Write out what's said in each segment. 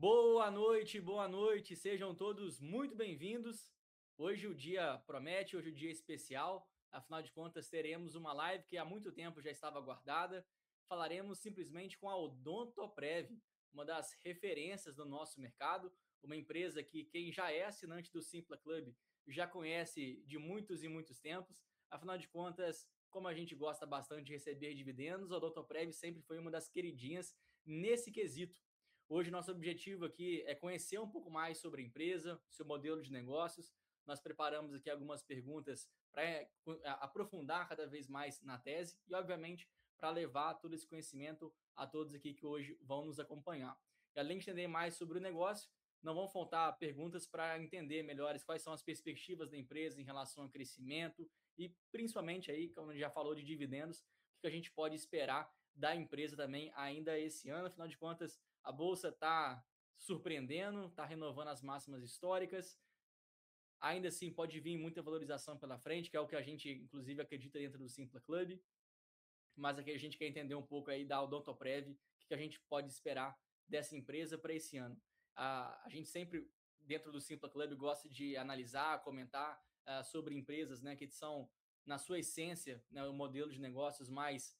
Boa noite, boa noite! Sejam todos muito bem-vindos. Hoje o dia promete, hoje o dia é especial, afinal de contas, teremos uma live que há muito tempo já estava guardada. Falaremos simplesmente com a Odontoprev, uma das referências do nosso mercado, uma empresa que quem já é assinante do Simpla Club, já conhece de muitos e muitos tempos. Afinal de contas, como a gente gosta bastante de receber dividendos, a Odontoprev sempre foi uma das queridinhas nesse quesito. Hoje, nosso objetivo aqui é conhecer um pouco mais sobre a empresa, seu modelo de negócios. Nós preparamos aqui algumas perguntas para aprofundar cada vez mais na tese e, obviamente, para levar todo esse conhecimento a todos aqui, que hoje vão nos acompanhar. E além de entender mais sobre o negócio, não vão faltar perguntas para entender melhor quais são as perspectivas da empresa em relação ao crescimento e principalmente, como a gente já falou de dividendos, o que a gente pode esperar da empresa também ainda esse ano. Afinal de contas, a Bolsa está surpreendendo, está renovando as máximas históricas. Ainda assim, pode vir muita valorização pela frente, que é o que a gente inclusive acredita dentro do Simpla Club, mas aqui a gente quer entender um pouco da Odontoprev, o que que a gente pode esperar dessa empresa para esse ano. A gente sempre, dentro do Simpla Club, gosta de analisar, comentar sobre empresas, né, que são, na sua essência, né, o modelo de negócios mais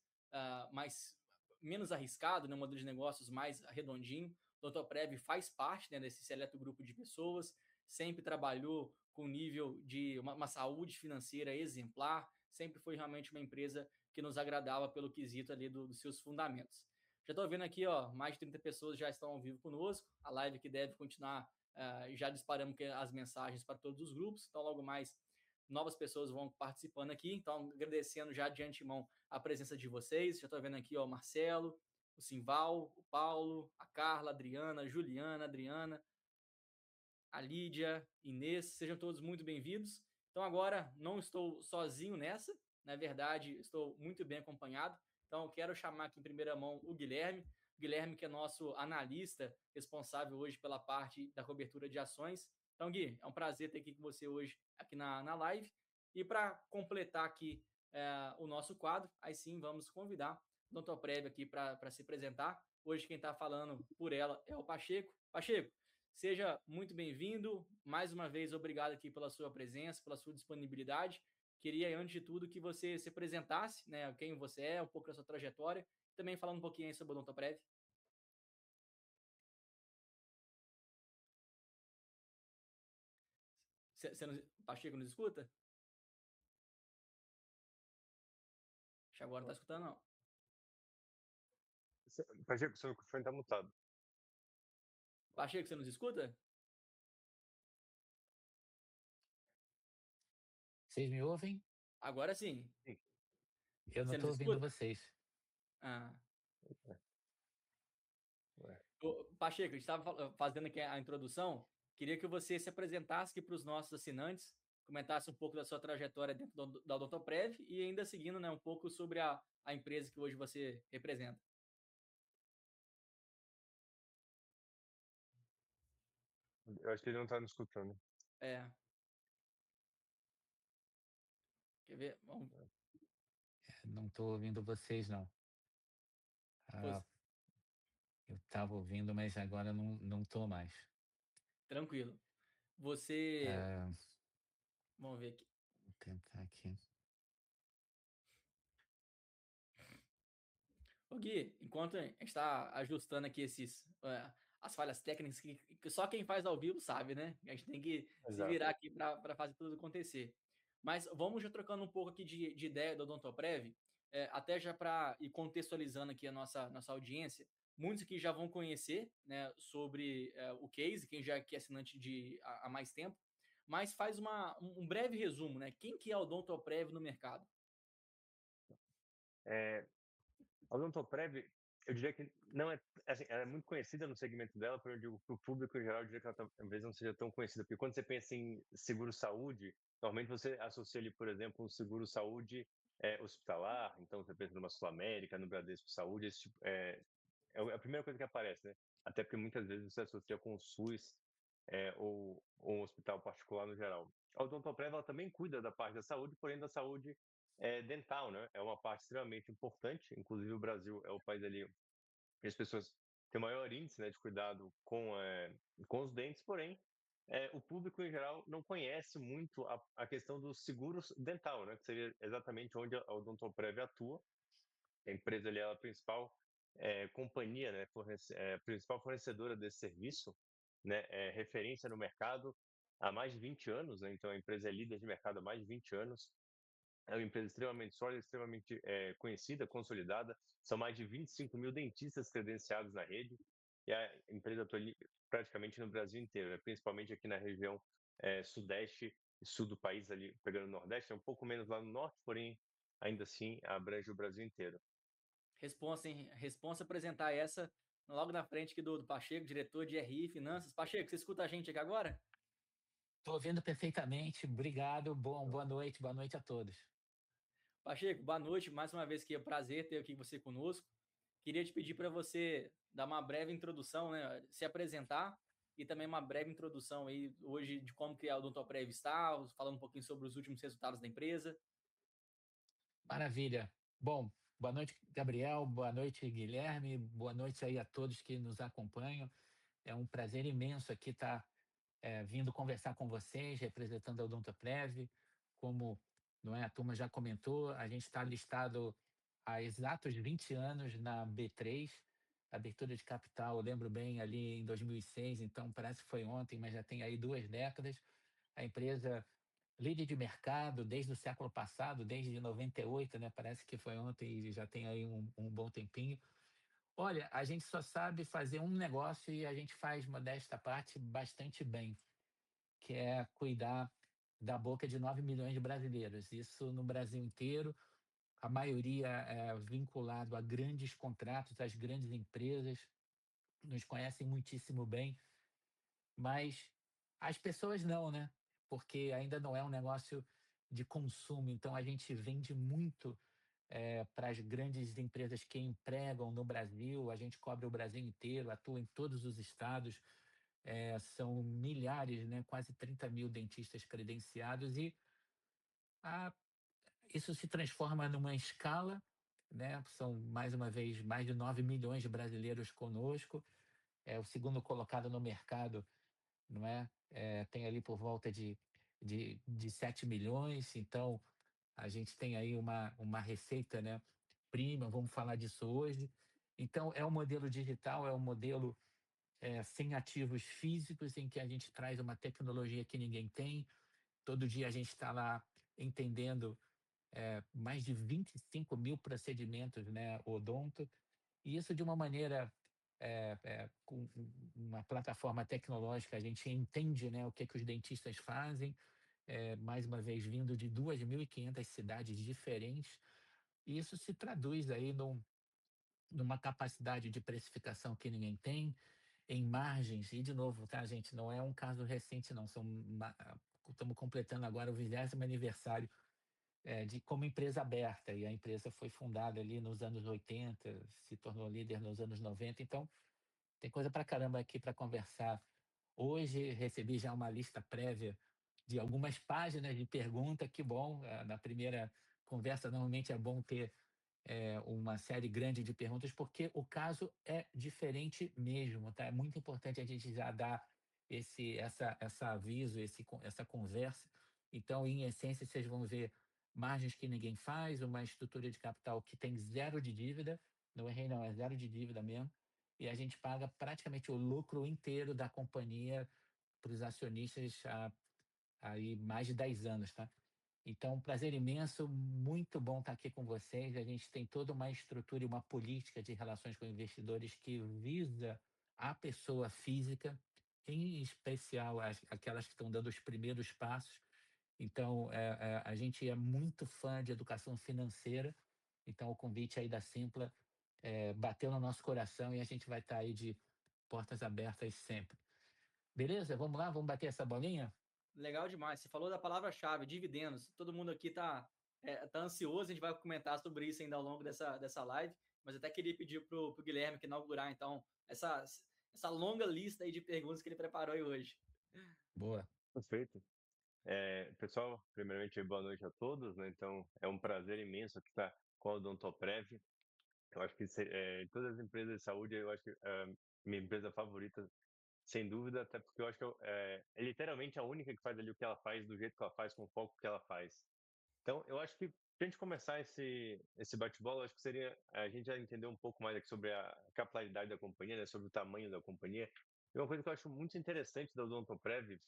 menos arriscado, né? Um modelo de negócios mais arredondinho. Odontoprev faz parte, né, desse seleto grupo de pessoas. Sempre trabalhou com nível de uma saúde financeira exemplar, sempre foi realmente uma empresa que nos agradava pelo quesito ali dos seus fundamentos. Já estou vendo aqui, mais de 30 pessoas já estão ao vivo conosco. A live aqui deve continuar, já disparamos as mensagens para todos os grupos, então logo mais, novas pessoas vão participando aqui. Então agradecendo já de antemão, a presença de vocês. Já estou vendo aqui, o Marcelo, o Sinval, o Paulo, a Carla, Adriana, Juliana, Adriana, a Lídia, Inês, sejam todos muito bem-vindos! Então agora não estou sozinho nessa, na verdade, estou muito bem acompanhado. Então quero chamar aqui em primeira mão o Guilherme. Guilherme, que é nosso analista, responsável hoje pela parte da cobertura de ações. Então, Gui, é um prazer ter aqui com você hoje, aqui na live. E para completar aqui, o nosso quadro, aí sim, vamos convidar Odontoprev aqui para se apresentar. Hoje, quem está falando por ela é o Pacheco. Pacheco, seja muito bem-vindo. Mais uma vez, obrigado aqui pela sua presença, pela sua disponibilidade. Queria, antes de tudo, que você se apresentasse, né? Quem você é, um pouco da sua trajetória, e também falar um pouquinho aí sobre a Odontoprev. Você nos... Pacheco, nos escuta? Acho que agora não está escutando, não. Pacheco, seu microfone está mutado. Pacheco, você nos escuta? Vocês me ouvem? Agora sim! Eu não estou ouvindo vocês. Ah. ¡Opa! Ué- Ô, Pacheco, a gente estava fazendo aqui a introdução, queria que você se apresentasse pros nossos assinantes, comentasse um pouco da sua trajetória dentro da Odontoprev e ainda seguindo, né, um pouco sobre a empresa que hoje você representa. Eu acho que ele não está nos escutando. É! Quer ver, vamos. Não estou ouvindo vocês, não. Opa. Eu estava ouvindo, mas agora não, não estou mais. Tranquilo, usted. Hã... Vamos ver aqui. Vou tentar aqui. Ô, Gui, enquanto a gente está ajustando aqui esses, as falhas técnicas, que só quem faz ao vivo sabe, né? A gente tem que- Exacto se virar aqui para fazer tudo acontecer. Mas vamos já trocando um pouco aqui de ideia da Odontoprev, até já para ir contextualizando aqui a nossa audiência. Muitos aqui já vão conhecer sobre o case, quem já aqui é assinante há mais tempo, mas faz um breve resumo. Quem que é a Odontoprev no mercado? A Odontoprev, eu diria que não é... assim, ela é muito conhecida no segmento dela, porém eu digo, pro público em geral, diria que ela talvez não seja tão conhecida, porque quando você pensa em seguro saúde, normalmente você associa ele, por exemplo, um seguro saúde hospitalar, então você pensa numa Sulamérica, no Bradesco Saúde, essa é a primeira coisa que aparece, né? Até porque muitas vezes você associa com o SUS, ou um hospital particular no geral. A Odontoprev ela também cuida da parte da saúde, porém da saúde dental, né? É uma parte extremamente importante, inclusive o Brasil é o país ali, que as pessoas têm o maior índice, né, de cuidado com os dentes. Porém, o público em geral não conhece muito a questão dos seguros dental, né? Que seria exatamente onde a Odontoprev atua. A empresa é a principal companhia fornecedora desse serviço, é referência no mercado há mais de 20 anos. Então a empresa é líder de mercado há mais de 20 anos. É uma empresa extremamente sólida, extremamente conhecida, consolidada. São mais de 25 mil dentistas credenciados na rede, e a empresa atua praticamente no Brasil inteiro, principalmente aqui na região Sudeste e Sul do país, pegando Nordeste, é um pouco menos lá no Norte, porém, ainda assim, abrange o Brasil inteiro. Responsa, hein? Responsa apresentar essa, logo na frente aqui do Pacheco, Diretor de RI e Finanças. Pacheco, você escuta a gente aqui agora? Estou ouvindo perfeitamente, obrigado. Bom, boa noite, boa noite a todos. Pacheco, boa noite! Mais uma vez aqui, é prazer ter você aqui conosco. Queria te pedir para você dar uma breve introdução, né, se apresentar e também uma breve introdução aí, hoje, de como a Odontoprev está, falando um pouquinho sobre os últimos resultados da empresa. Maravilha! Bom, boa noite, Gabriel, boa noite, Guilherme, boa noite aí a todos que nos acompanham. É um prazer imenso aqui estar vindo conversar com vocês, representando a Odontoprev. Como a turma já comentou, a gente está listado há exatos 20 anos na B3. A abertura de capital, eu lembro bem, ali em 2006, então parece que foi ontem, mas já tem aí duas décadas. A empresa líder de mercado, desde o século passado, desde 98. Parece que foi ontem e já tem aí um bom tempinho. Olha, a gente só sabe fazer um negócio e a gente faz, modéstia à parte, bastante bem, que é cuidar da boca de nove milhões de brasileiros. Isso no Brasil inteiro, a maioria vinculado a grandes contratos, as grandes empresas nos conhecem muitíssimo bem, mas as pessoas não. Porque ainda não é um negócio de consumo, então a gente vende muito para as grandes empresas que empregam no Brasil, a gente cobre o Brasil inteiro, atua em todos os estados. São milhares, quase 30 mil dentistas credenciados, e isso se transforma numa escala. São, mais uma vez, mais de nove milhões de brasileiros conosco. O segundo colocado no mercado tem ali por volta de sete milhões. Então, a gente tem aí uma receita prima, vamos falar disso hoje. Então, é um modelo digital, é um modelo sem ativos físicos, em que a gente traz uma tecnologia que ninguém tem. Todo dia a gente está lá entendendo mais de 25 mil procedimentos odontológicos, e isso de uma maneira com uma plataforma tecnológica. A gente entende o que os dentistas fazem, mais uma vez, vindo de 2.500 cidades diferentes, e isso se traduz numa capacidade de precificação que ninguém tem, em margens. E, de novo, gente, não é um caso recente, não. Estamos completando agora o 20º aniversário de como empresa aberta, e a empresa foi fundada ali nos anos 80, se tornou líder nos anos 90. Então, tem coisa para caramba aqui para conversar. Hoje, recebi já uma lista prévia de algumas páginas de pergunta, que bom! Na primeira conversa, normalmente, é bom ter uma série grande de perguntas, porque o caso é diferente mesmo. É muito importante a gente já dar esse aviso, essa conversa. Então, em essência, vocês vão ver margens que ninguém faz, uma estrutura de capital que tem zero de dívida. Não errei, não, é zero de dívida mesmo, e a gente paga praticamente o lucro inteiro da companhia pros acionistas há mais de 10 anos, tá? Então, é um prazer imenso, muito bom estar aqui com vocês. A gente tem toda uma estrutura e uma política de relações com investidores que visa a pessoa física, em especial aquelas que estão dando os primeiros passos. Então, a gente é muito fã de educação financeira, então o convite aí da Simpla bateu no nosso coração e a gente vai estar aí de portas abertas sempre. Beleza? Vamos lá, vamos bater essa bolinha? Legal demais, você falou da palavra-chave: dividendos. Todo mundo aqui está ansioso, a gente vai comentar sobre isso ainda ao longo dessa live, mas eu até queria pedir pro Guilherme aqui inaugurar então essa longa lista aí de perguntas que ele preparou aí hoje. Boa! Perfeito. Pessoal, primeiramente, boa noite a todos, né? Então, é um prazer imenso aqui estar com a Odontoprev. Eu acho que de todas as empresas de saúde, eu acho que minha empresa favorita, sem dúvida, até porque eu acho que é literalmente a única que faz ali o que ela faz, do jeito que ela faz, com o foco que ela faz. Então, eu acho que para a gente começar esse bate-bola, acho que seria a gente já entender um pouco mais sobre a capilaridade da companhia, né, sobre o tamanho da companhia. Tem uma coisa que eu acho muito interessante da Odontoprev,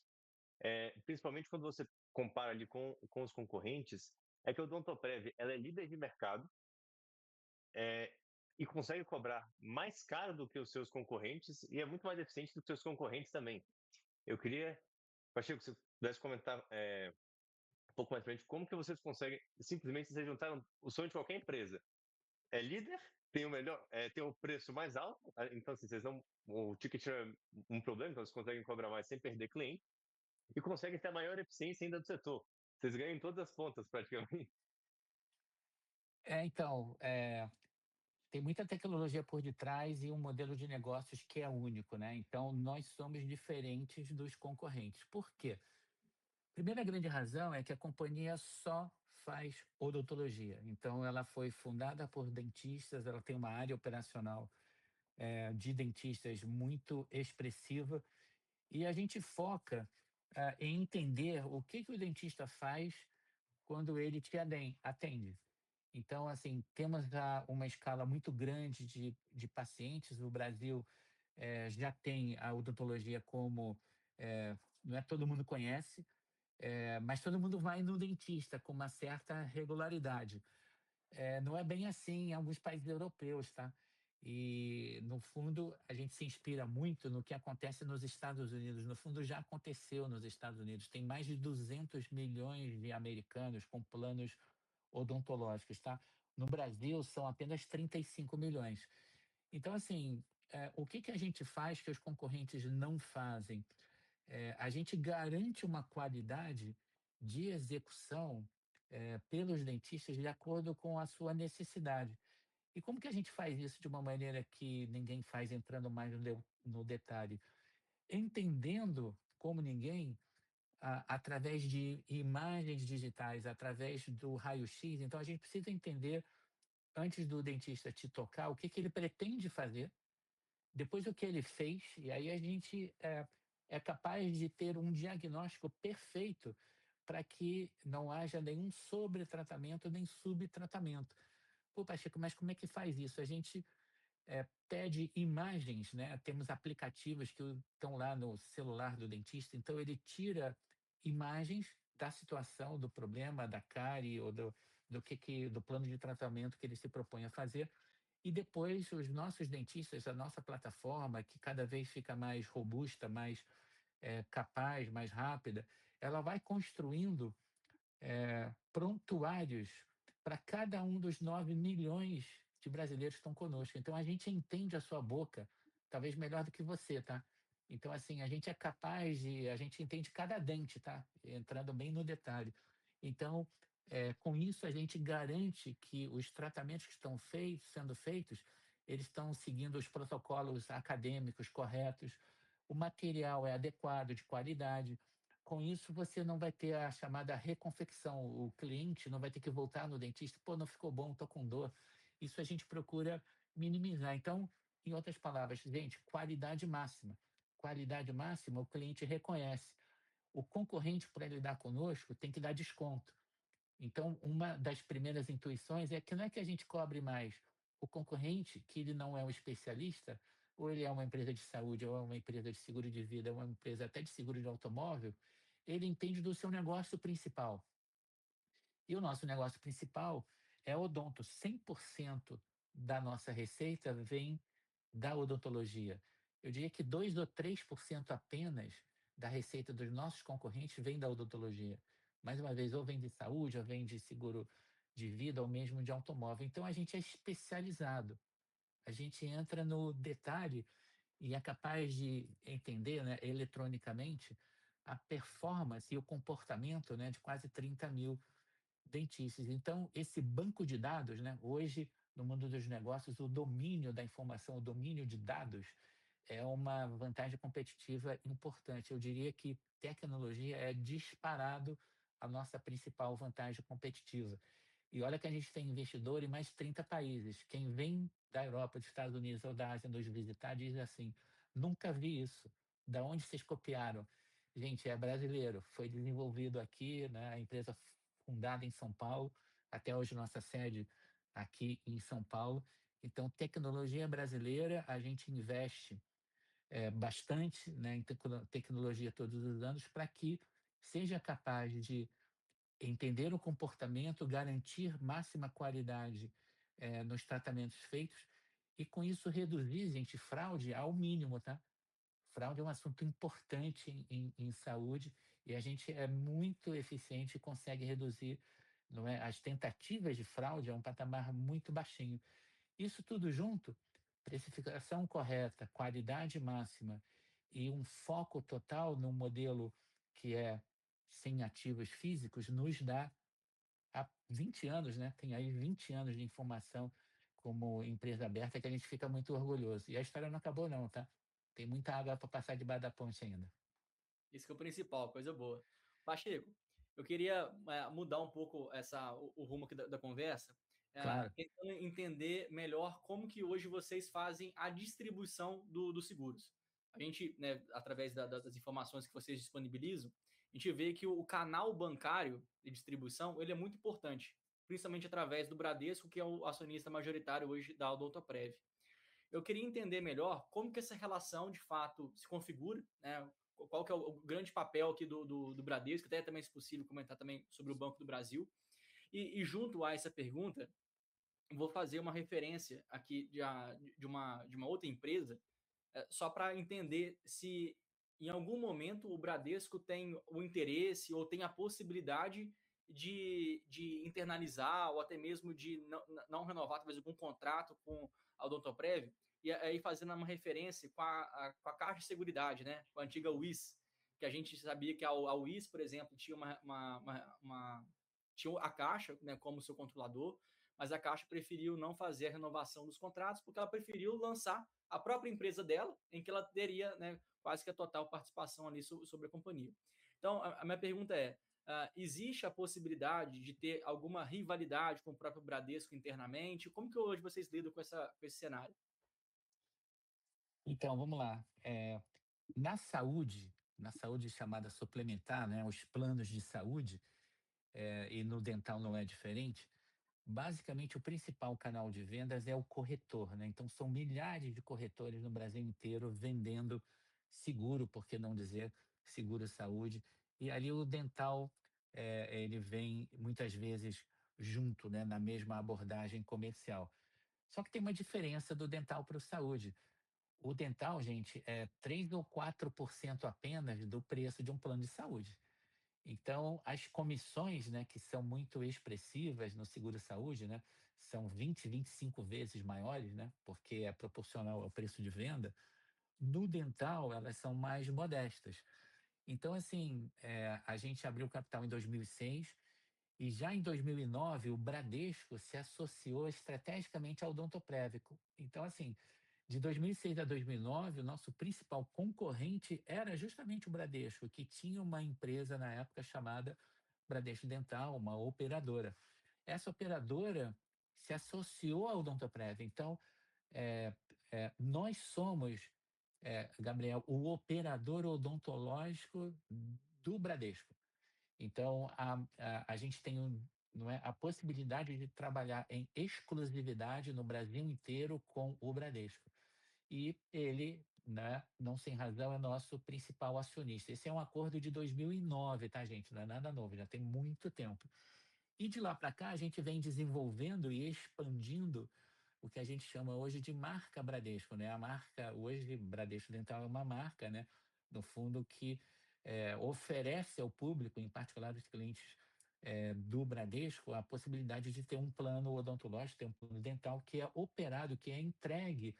principalmente quando você compara ali com os concorrentes, é que a Odontoprev ela é líder de mercado e consegue cobrar mais caro do que os seus concorrentes, e é muito mais eficiente do que seus concorrentes também. Eu queria, acho que se você pudesse comentar um pouco mais para a gente, como que vocês conseguem... Simplesmente, vocês juntaram o sonho de qualquer empresa: é líder, tem o melhor... tem o preço mais alto. Então, assim, vocês não... o ticket não é um problema, então vocês conseguem cobrar mais sem perder cliente, e conseguem ter a maior eficiência ainda do setor. Vocês ganham em todas as pontas, praticamente. Então tem muita tecnologia por detrás e um modelo de negócios que é único, né? Nós somos diferentes dos concorrentes. Por quê? Primeira grande razão é que a companhia só faz odontologia, então ela foi fundada por dentistas, ela tem uma área operacional de dentistas muito expressiva, e a gente foca em entender o que que o dentista faz quando ele te atende. Assim, temos já uma escala muito grande de pacientes. O Brasil já tem a odontologia como... não é todo mundo conhece, mas todo mundo vai no dentista com uma certa regularidade. Não é bem assim em alguns países europeus, tá? No fundo, a gente se inspira muito no que acontece nos Estados Unidos. No fundo, já aconteceu nos Estados Unidos, tem mais de 200 milhões de americanos com planos odontológicos, tá? No Brasil, são apenas 35 milhões. Então, assim, o que que a gente faz que os concorrentes não fazem? A gente garante uma qualidade de execução pelos dentistas, de acordo com a sua necessidade. E como que a gente faz isso de uma maneira que ninguém faz, entrando mais no detalhe? Entendendo como ninguém, através de imagens digitais, através do raio-X. Então, a gente precisa entender, antes do dentista te tocar, o que que ele pretende fazer, depois o que ele fez, e aí a gente é capaz de ter um diagnóstico perfeito, para que não haja nenhum sobretratamento, nem subtratamento. "Puta, Chico, mas como é que faz isso?" A gente pede imagens, né? Temos aplicativos que estão lá no celular do dentista, então ele tira imagens da situação, do problema, da cárie ou do plano de tratamento que ele se propõe a fazer. E depois, os nossos dentistas, a nossa plataforma, que cada vez fica mais robusta, mais capaz, mais rápida, ela vai construindo prontuários para cada um dos nove milhões de brasileiros que estão conosco. Então a gente entende a sua boca, talvez melhor do que você. Então, assim, a gente é capaz de... a gente entende cada dente. Entrando bem no detalhe. Então, com isso, a gente garante que os tratamentos que estão feitos, sendo feitos, eles estão seguindo os protocolos acadêmicos corretos, o material é adequado, de qualidade. Com isso, você não vai ter a chamada reconfecção, o cliente não vai ter que voltar no dentista: "Poxa, não ficou bom, estou com dor". Isso a gente procura minimizar. Então, em outras palavras, gente, qualidade máxima. Qualidade máxima, o cliente reconhece. O concorrente, para ele lidar conosco, tem que dar desconto. Então, uma das primeiras intuições é que não é que a gente cobre mais. O concorrente, que ele não é um especialista, ou ele é uma empresa de saúde, ou é uma empresa de seguro de vida, ou uma empresa até de seguro de automóvel, ele entende do seu negócio principal. E o nosso negócio principal é Odonto. 100% da nossa receita vem da odontologia. Eu diria que 2% ou 3% apenas, da receita dos nossos concorrentes, vem da odontologia. Mais uma vez, ou vem de saúde, ou vem de seguro de vida, ou mesmo de automóvel. Então a gente é especializado, a gente entra no detalhe e é capaz de entender, eletronicamente, a performance e o comportamento de quase 30 mil dentistas. Então, esse banco de dados... hoje, no mundo dos negócios, o domínio da informação, o domínio de dados, é uma vantagem competitiva importante. Eu diria que tecnologia é disparado a nossa principal vantagem competitiva. E olha que a gente tem investidor em mais 30 países. Quem vem da Europa, dos Estados Unidos ou da Ásia nos visitar, diz assim: "Nunca vi isso, de onde vocês copiaram?" Gente, é brasileiro, foi desenvolvido aqui. A empresa fundada em São Paulo, até hoje nossa sede, aqui em São Paulo. Então tecnologia brasileira, a gente investe bastante em tecnologia todos os anos, para que seja capaz de entender o comportamento, garantir máxima qualidade nos tratamentos feitos, e com isso reduzir a fraude ao mínimo. Fraude é um assunto importante em saúde, e a gente é muito eficiente e consegue reduzir as tentativas de fraude a um patamar muito baixinho. Isso tudo junto, especificação correta, qualidade máxima e um foco total no modelo, que é sem ativos físicos, nos dá há 20 anos. Tem aí 20 anos de informação como empresa aberta, que a gente fica muito orgulhoso. E a história não acabou não. Tem muita água para passar debaixo da ponte ainda. Esse que é o principal, coisa boa! Pacheco, eu queria mudar um pouco o rumo aqui da conversa. Claro. Entender melhor como que hoje vocês fazem a distribuição dos seguros. A gente, né, através das informações que vocês disponibilizam, a gente vê que o canal bancário de distribuição, ele é muito importante, principalmente através do Bradesco, que é o acionista majoritário hoje da Odontoprev. Eu queria entender melhor como que essa relação, de fato, se configura, né? Qual que é o grande papel aqui do Bradesco, até também se possível comentar também sobre o Banco do Brasil. E, junto a essa pergunta, vou fazer uma referência aqui de uma outra empresa, só para entender se em algum momento o Bradesco tem o interesse ou tem a possibilidade de internalizar ou até mesmo de não renovar, talvez, algum contrato com a Odontoprev, aí fazendo uma referência com a Caixa de Seguridade, né? Com a antiga Wisu, que a gente sabia que a Wisu, por exemplo, tinha a Caixa, né, como seu controlador, mas a Caixa preferiu não fazer a renovação dos contratos, porque ela preferiu lançar a própria empresa dela, em que ela teria, né, quase que a total participação ali sobre a companhia. Então, a minha pergunta é: existe a possibilidade de ter alguma rivalidade com o próprio Bradesco internamente? Como que hoje vocês lidam com essa, com esse cenário? Então, vamos lá. Na saúde, na saúde chamada suplementar, né, os planos de saúde, e no dental não é diferente, basicamente, o principal canal de vendas é o corretor, né? Então são milhares de corretores no Brasil inteiro vendendo seguro, por que não dizer, seguro saúde. E ali o dental, ele vem muitas vezes junto, né, na mesma abordagem comercial. Só que tem uma diferença do dental pro saúde: o dental, gente, é 3% ou 4% apenas do preço de um plano de saúde. Então, as comissões, né, que são muito expressivas no seguro saúde, né? São 20, 25 vezes maiores, né, porque é proporcional ao preço de venda, no dental, elas são mais modestas. Então, assim, a gente abriu capital em 2006... E já em 2009, o Bradesco se associou estrategicamente à Odontoprev. Então, de 2006 a 2009, o nosso principal concorrente era justamente o Bradesco, que tinha uma empresa na época chamada Bradesco Dental, uma operadora. Essa operadora se associou à Odontoprev, então nós somos, Gabriel, o operador odontológico do Bradesco. Então a gente tem a possibilidade de trabalhar em exclusividade no Brasil inteiro com o Bradesco. E ele, não sem razão, é nosso principal acionista. Esse é um acordo de 2009, pessoal. Não é nada novo, já tem muito tempo. E de lá para cá, a gente vem desenvolvendo e expandindo o que a gente chama hoje de marca Bradesco. A marca hoje, Bradesco Dental é uma marca, né, no fundo, que oferece ao público, em particular aos clientes do Bradesco, a possibilidade de ter um plano odontológico, ter um plano dental, que é operado, que é entregue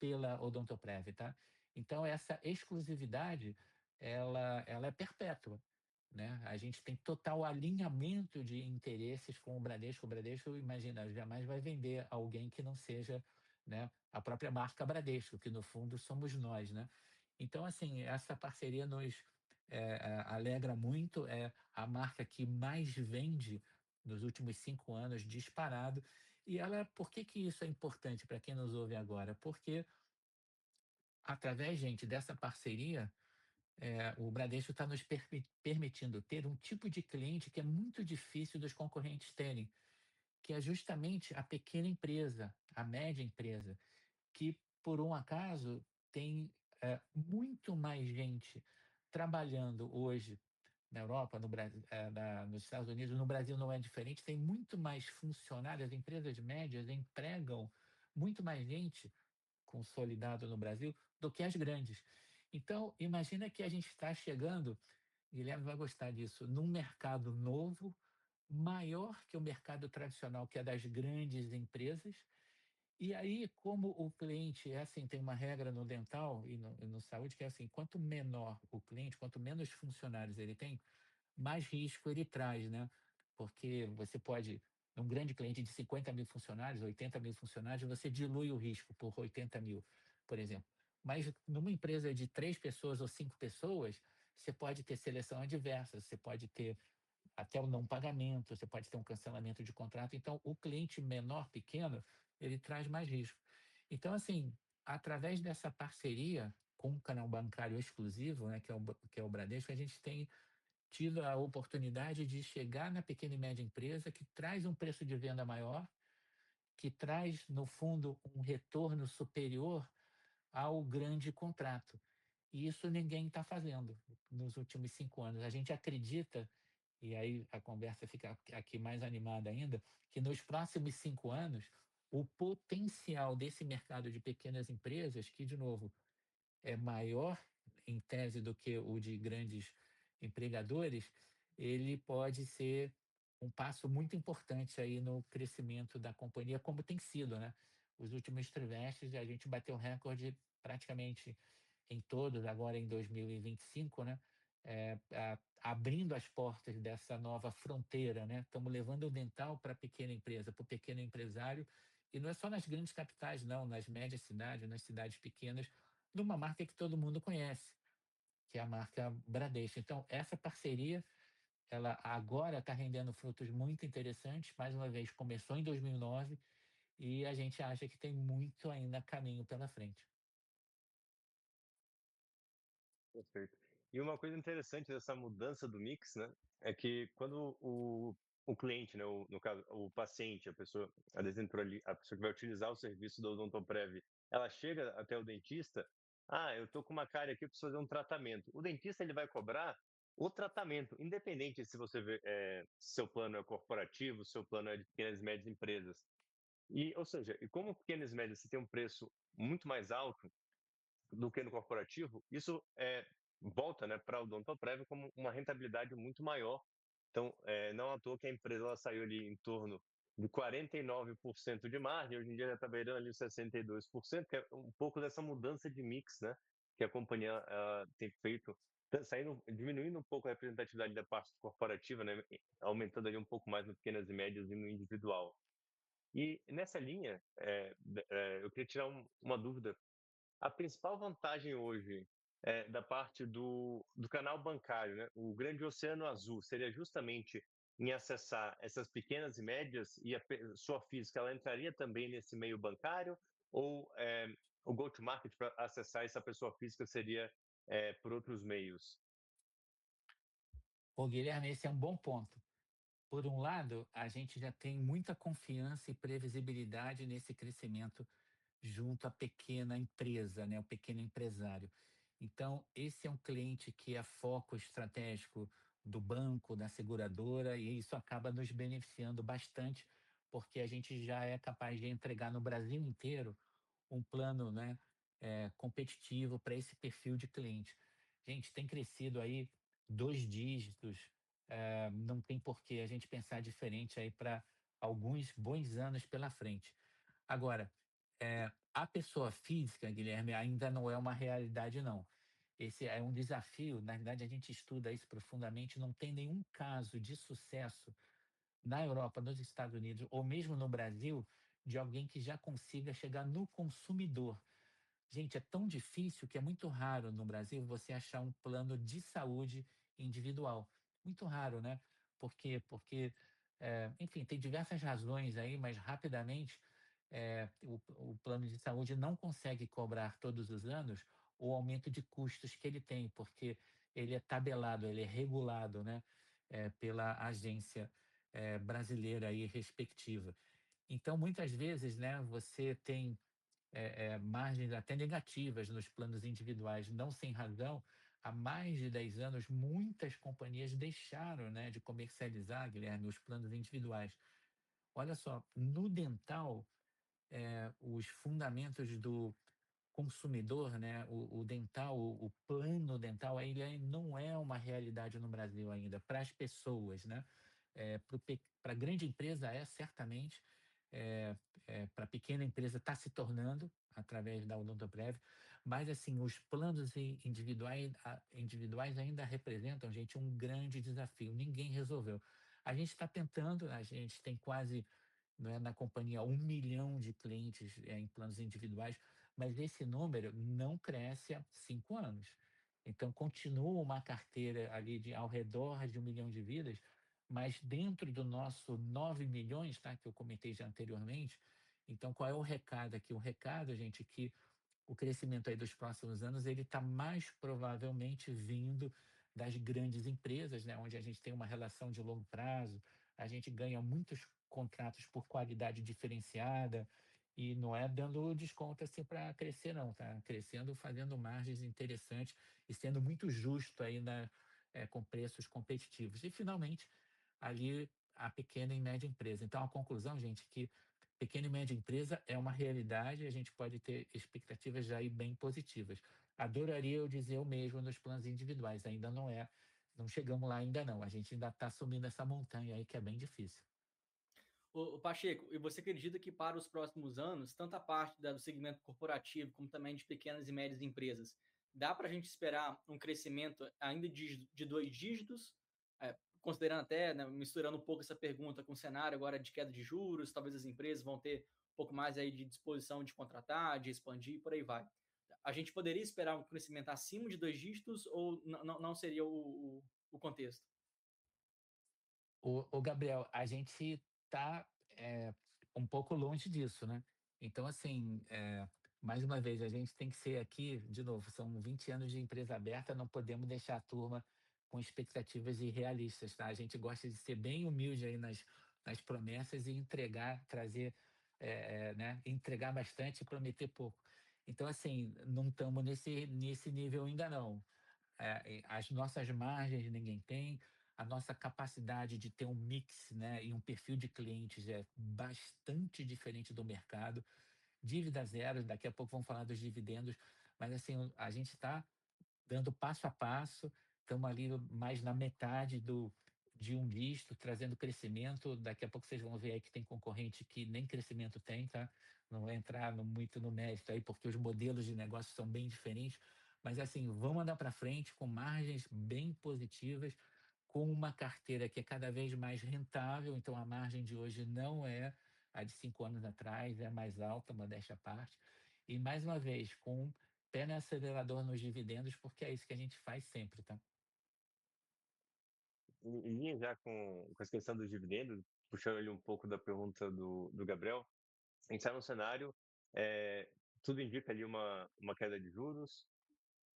pela Odontoprev, tá? Então essa exclusividade, ela é perpétua, né? A gente tem total alinhamento de interesses com o Bradesco. O Bradesco, imagina, jamais vai vender a alguém que não seja, né, a própria marca Bradesco, que no fundo, somos nós, né? Então, assim, essa parceria nos alegra muito, é a marca que mais vende nos últimos cinco anos, disparado. E ela, por que que isso é importante pra quem nos ouve agora? Porque através, gente, dessa parceria, o Bradesco tá nos permitindo ter um tipo de cliente que é muito difícil dos concorrentes terem, que é justamente a pequena empresa, a média empresa, que por acaso tem muito mais gente trabalhando hoje na Europa, nos Estados Unidos, no Brasil não é diferente, tem muito mais funcionário, as empresas médias empregam muito mais gente consolidada no Brasil do que as grandes. Então imagina que a gente tá chegando, Guilherme vai gostar disso, num mercado novo, maior que o mercado tradicional, que é das grandes empresas. E aí, como o cliente é assim, tem uma regra no dental e no saúde, que é assim: quanto menor o cliente, quanto menos funcionários ele tem, mais risco ele traz, né? Porque você pode... um grande cliente de 50 mil funcionários, 80 mil funcionários, você dilui o risco por 80 mil, por exemplo. Mas numa empresa de três pessoas ou cinco pessoas, você pode ter seleção adversa, você pode ter até o não pagamento, você pode ter um cancelamento de contrato. Então, o cliente menor, pequeno, ele traz mais risco. Então, assim, através dessa parceria com o canal bancário exclusivo, né, que é o Bradesco, a gente tem tido a oportunidade de chegar na pequena e média empresa, que traz um preço de venda maior, que traz, no fundo, um retorno superior ao grande contrato. E isso ninguém está fazendo nos últimos cinco anos. A gente acredita, e aí a conversa fica aqui mais animada ainda, que nos próximos cinco anos, o potencial desse mercado de pequenas empresas, que, de novo, é maior, em tese, do que o de grandes empregadores, ele pode ser um passo muito importante aí no crescimento da companhia, como tem sido, né? Os últimos trimestres, a gente bateu recorde praticamente em todos, agora em 2025, né, abrindo as portas dessa nova fronteira, né? Estamos levando o dental para pequena empresa, para o pequeno empresário. E não é só nas grandes capitais, não, nas médias cidades, nas cidades pequenas, de uma marca que todo mundo conhece, que é a marca Bradesco. Então essa parceria, ela agora está rendendo frutos muito interessantes. Mais uma vez, começou em 2009, e a gente acha que tem muito ainda caminho pela frente. Perfeito! E uma coisa interessante dessa mudança do mix, né, é que quando o cliente, né, no caso, o paciente, a pessoa, a pessoa que entrou ali, a pessoa que vai utilizar o serviço da Odontoprev, ela chega até o dentista: "ah, eu estou com uma cárie aqui, eu preciso fazer um tratamento." O dentista ele vai cobrar o tratamento, independente se você vê, se seu plano é corporativo, se seu plano é de pequenas e médias empresas. E, ou seja, e como pequenas e médias se têm um preço muito mais alto do que no corporativo, isso volta, né, para Odontoprev como uma rentabilidade muito maior. Então, não à toa que a empresa ela saiu ali em torno de 49% de margem, hoje em dia, já está beirando ali os 62%, que é um pouco dessa mudança de mix, né, que a companhia tem feito, saindo, diminuindo um pouco a representatividade da parte corporativa, né, aumentando ali um pouco mais nas pequenas e médias e no individual. E nessa linha, eu queria tirar uma dúvida: a principal vantagem hoje da parte do canal bancário, né, o grande oceano azul, seria justamente em acessar essas pequenas e médias, e a pessoa física, ela entraria também nesse meio bancário ou o go to market para acessar essa pessoa física seria por outros meios? Ô, Guilherme, esse é um bom ponto. Por um lado, a gente já tem muita confiança e previsibilidade nesse crescimento junto à pequena empresa, né, o pequeno empresário. Então, esse é um cliente que é foco estratégico do banco, da seguradora, e isso acaba nos beneficiando bastante, porque a gente já é capaz de entregar no Brasil inteiro um plano competitivo para esse perfil de cliente. A gente tem crescido aí dois dígitos, não tem porque a gente pensar diferente aí para alguns bons anos pela frente. Agora, a pessoa física, Guilherme, ainda não é uma realidade, não. Esse é um desafio, na realidade, a gente estuda isso profundamente, não tem nenhum caso de sucesso na Europa, nos Estados Unidos ou mesmo no Brasil, de alguém que já consiga chegar no consumidor. Gente, é tão difícil, que é muito raro no Brasil, você achar um plano de saúde individual. Muito raro, né? Por quê? Porque tem diversas razões aí, mas rapidamente, o plano de saúde não consegue cobrar todos os anos, o aumento de custos que ele tem, porque ele é tabelado, ele é regulado, né, pela agência brasileira aí respectiva. Então muitas vezes, né, você tem margens até negativas nos planos individuais, não sem razão. Há mais de 10 anos, muitas companhias deixaram, né, de comercializar, Guilherme, os planos individuais. Olha só, no dental, os fundamentos do consumidor, né, o dental, o plano dental, ele ainda não é uma realidade no Brasil ainda, pras pessoas, né? É, para a grande empresa, é certamente, é, é para a pequena empresa, está se tornando através da Odontoprev, mas assim, os planos individuais ainda representam, gente, um grande desafio, ninguém resolveu. A gente está tentando, a gente tem quase, né, na companhia, um milhão de clientes em planos individuais, mas esse número não cresce há cinco anos. Então continua uma carteira ali de ao redor de um milhão de vidas, mas dentro do nosso nove milhões, tá? Que eu comentei já anteriormente. Então qual é o recado aqui? O recado, gente, que o crescimento dos próximos anos, ele está mais provavelmente vindo das grandes empresas, né? Onde a gente tem uma relação de longo prazo, a gente ganha muitos contratos por qualidade diferenciada e não é dando desconto assim para crescer não, tá? Crescendo, fazendo margens interessantes e sendo muito justo ainda, com preços competitivos. E finalmente, ali, a pequena e média empresa. Então a conclusão, gente, que pequena e média empresa é uma realidade, a gente pode ter expectativas já aí bem positivas. Adoraria eu dizer o mesmo nos planos individuais, ainda não é... não chegamos lá ainda não, a gente ainda está subindo essa montanha aí, que é bem difícil. Ô Pacheco, e você acredita que para os próximos anos, tanto a parte do segmento corporativo, como também de pequenas e médias empresas, dá pra gente esperar um crescimento ainda de dois dígitos? Considerando até, né, misturando um pouco essa pergunta com o cenário agora de queda de juros, talvez as empresas vão ter um pouco mais aí de disposição de contratar, de expandir e por aí vai. A gente poderia esperar um crescimento acima de dois dígitos ou não seria o contexto? Ô, ô Gabriel, a gente tá um pouco longe disso, né? Então assim, mais uma vez, a gente tem que ser aqui, de novo, são 20 anos de empresa aberta, não podemos deixar a turma com expectativas irrealistas, tá? A gente gosta de ser bem humilde aí nas promessas e entregar, trazer, né, entregar bastante e prometer pouco. Então assim, não tamo nesse nível ainda não. As nossas margens, ninguém tem, a nossa capacidade de ter um mix, né, e um perfil de clientes é bastante diferente do mercado. Dívida zero, daqui a pouco vamos falar dos dividendos, mas assim, a gente tá dando passo a passo, tamo ali mais na metade de um dígito, trazendo crescimento. Daqui a pouco cês vão ver aí que tem concorrente que nem crescimento tem, tá? Não vou entrar muito no mérito aí, porque os modelos de negócios são bem diferentes, mas assim, vamos andar para frente, com margens bem positivas, com uma carteira que é cada vez mais rentável, então a margem de hoje não é a de cinco anos atrás, é mais alta, modéstia à parte. E mais uma vez, com o pé no acelerador nos dividendos, porque é isso que a gente faz sempre, está? Em linha já com essa questão do dividendo, puxando ali um pouco da pergunta do Gabriel. A gente tá num cenário, tudo indica ali uma queda de juros,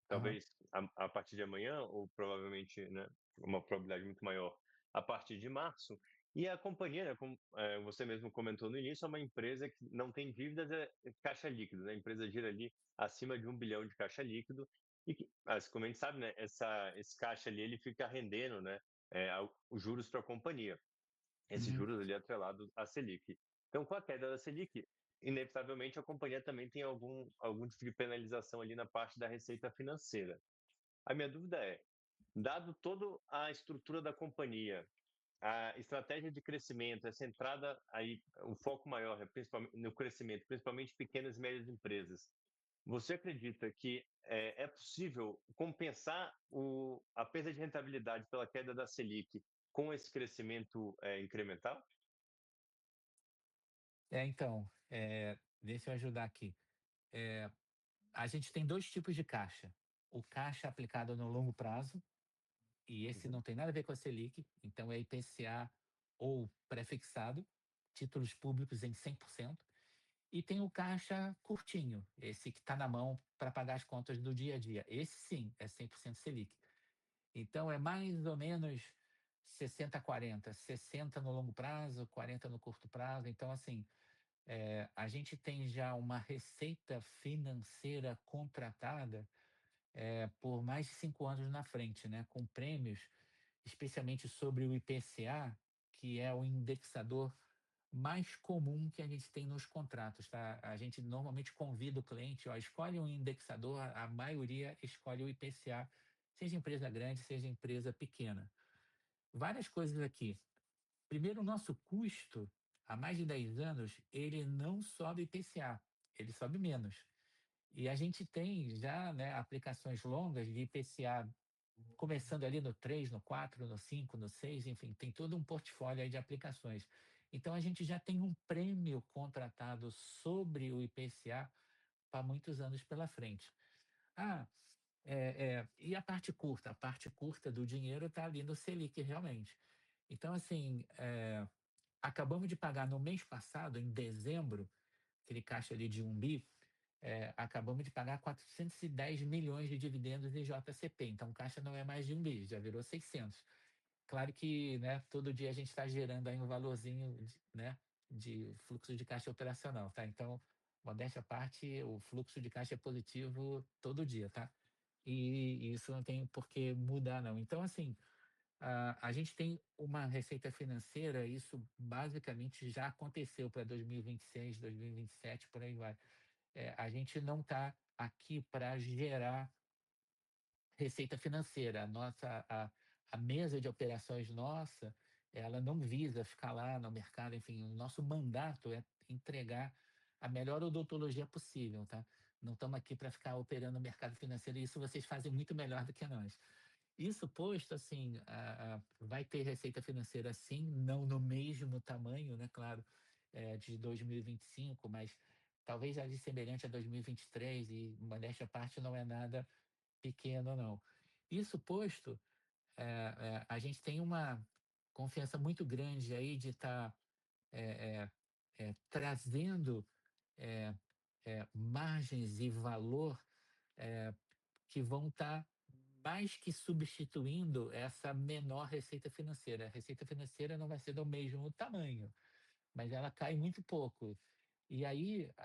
talvez a partir de amanhã ou provavelmente, né, uma probabilidade muito maior, a partir de março. E a companhia, como você mesmo comentou no início, é uma empresa que não tem dívidas e é caixa líquido, né? A empresa gira ali acima de R$ 1 bilhão de caixa líquido, e que, como a gente sabe, né, esse caixa ali, ele fica rendendo os juros para companhia. Esse juro ele é atrelado à Selic. Então, com a queda da Selic, inevitavelmente, a companhia também tem algum tipo de penalização ali na parte da receita financeira. A minha dúvida é: dado toda a estrutura da companhia, a estratégia de crescimento é centrada aí, o foco maior é principalmente no crescimento, principalmente pequenas e médias empresas, você acredita que é possível compensar a perda de rentabilidade pela queda da Selic, com esse crescimento incremental? Então, deixa eu ajudar aqui. A gente tem dois tipos de caixa: o caixa aplicado no longo prazo, e esse não tem nada a ver com a Selic, então é IPCA ou prefixado, títulos públicos em 100%; e tem o caixa curtinho, esse que está na mão para pagar as contas do dia a dia, esse sim, é 100% Selic. Então é mais ou menos 60, 40. 60% no longo prazo, 40% no curto prazo. Então assim, a gente tem já uma receita financeira contratada por mais de cinco anos na frente, com prêmios, especialmente sobre o IPCA, que é o indexador mais comum que a gente tem nos contratos. A gente normalmente convida o cliente: "Olha, escolhe um indexador", a maioria escolhe o IPCA, seja empresa grande, seja empresa pequena. Várias coisas aqui: primeiro, o nosso custo, há mais de 10 anos, ele não sobe IPCA, ele sobe menos. E a gente tem já aplicações longas de IPCA, começando ali no três, no quatro, no cinco, no seis, enfim, tem todo um portfólio aí de aplicações. Então a gente já tem um prêmio contratado sobre o IPCA, para muitos anos pela frente. E a parte curta? A parte curta do dinheiro está ali no Selic, realmente. Então acabamos de pagar no mês passado, em dezembro, aquele caixa ali de R$ 1 bilhão, acabamos de pagar R$ 410 milhões de dividendos em JCP, então o caixa não é mais de R$ 1 bilhão, já virou R$ 600 milhões. Claro que, todo dia a gente está gerando aí um valorzinho de fluxo de caixa operacional. Então, modéstia à parte, o fluxo de caixa é positivo todo dia, tá? E isso não tem porque mudar, não. Então, assim, a gente tem uma receita financeira, isso basicamente já aconteceu pra 2026, 2027, por aí vai. A gente não tá aqui pra gerar receita financeira. A nossa mesa de operações nossa, ela não visa ficar lá no mercado, enfim, o nosso mandato é entregar a melhor odontologia possível, tá? Não tamo aqui pra ficar operando o mercado financeiro, isso vocês fazem muito melhor do que nós. Isso posto, assim, vai ter receita financeira, sim, não no mesmo tamanho, né, claro, de 2025, mas talvez ali semelhante a 2023, e modéstia à parte, não é nada pequeno, não. Isso posto, a gente tem uma confiança muito grande aí, de estar trazendo margens e valor que vão estar mais que substituindo essa menor receita financeira. A receita financeira não vai ser do mesmo tamanho, mas ela cai muito pouco.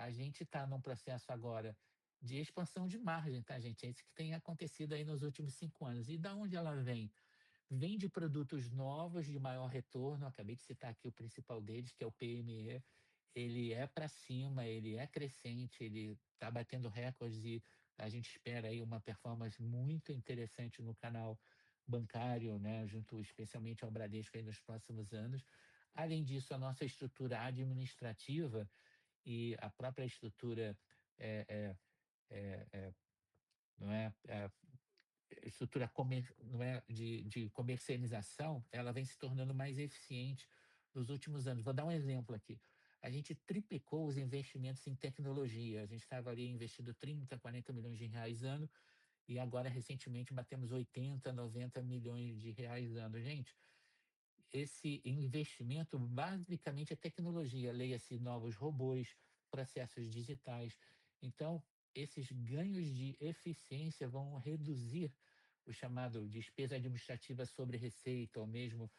A gente está num processo agora de expansão de margem, pessoal. É isso que tem acontecido aí nos últimos cinco anos. De onde ela vem? Vem de produtos novos, de maior retorno. Acabei de citar aqui o principal deles, que é o PME. Ele é para cima, ele é crescente, ele está batendo recordes e a gente espera aí uma performance muito interessante no canal bancário, junto especialmente ao Bradesco, aí nos próximos anos. Além disso, a nossa estrutura administrativa e a própria estrutura de comercialização, ela vem se tornando mais eficiente nos últimos anos. Vou dar um exemplo aqui: a gente triplicou os investimentos em tecnologia. A gente estava ali investindo R$ 30, 40 milhões por ano, e agora, recentemente, batemos R$ 80, 90 milhões por ano. Esse investimento, basicamente, é tecnologia, leia-se novos robôs, processos digitais. Então, esses ganhos de eficiência vão reduzir a chamada despesa administrativa sobre receita, ou mesmo,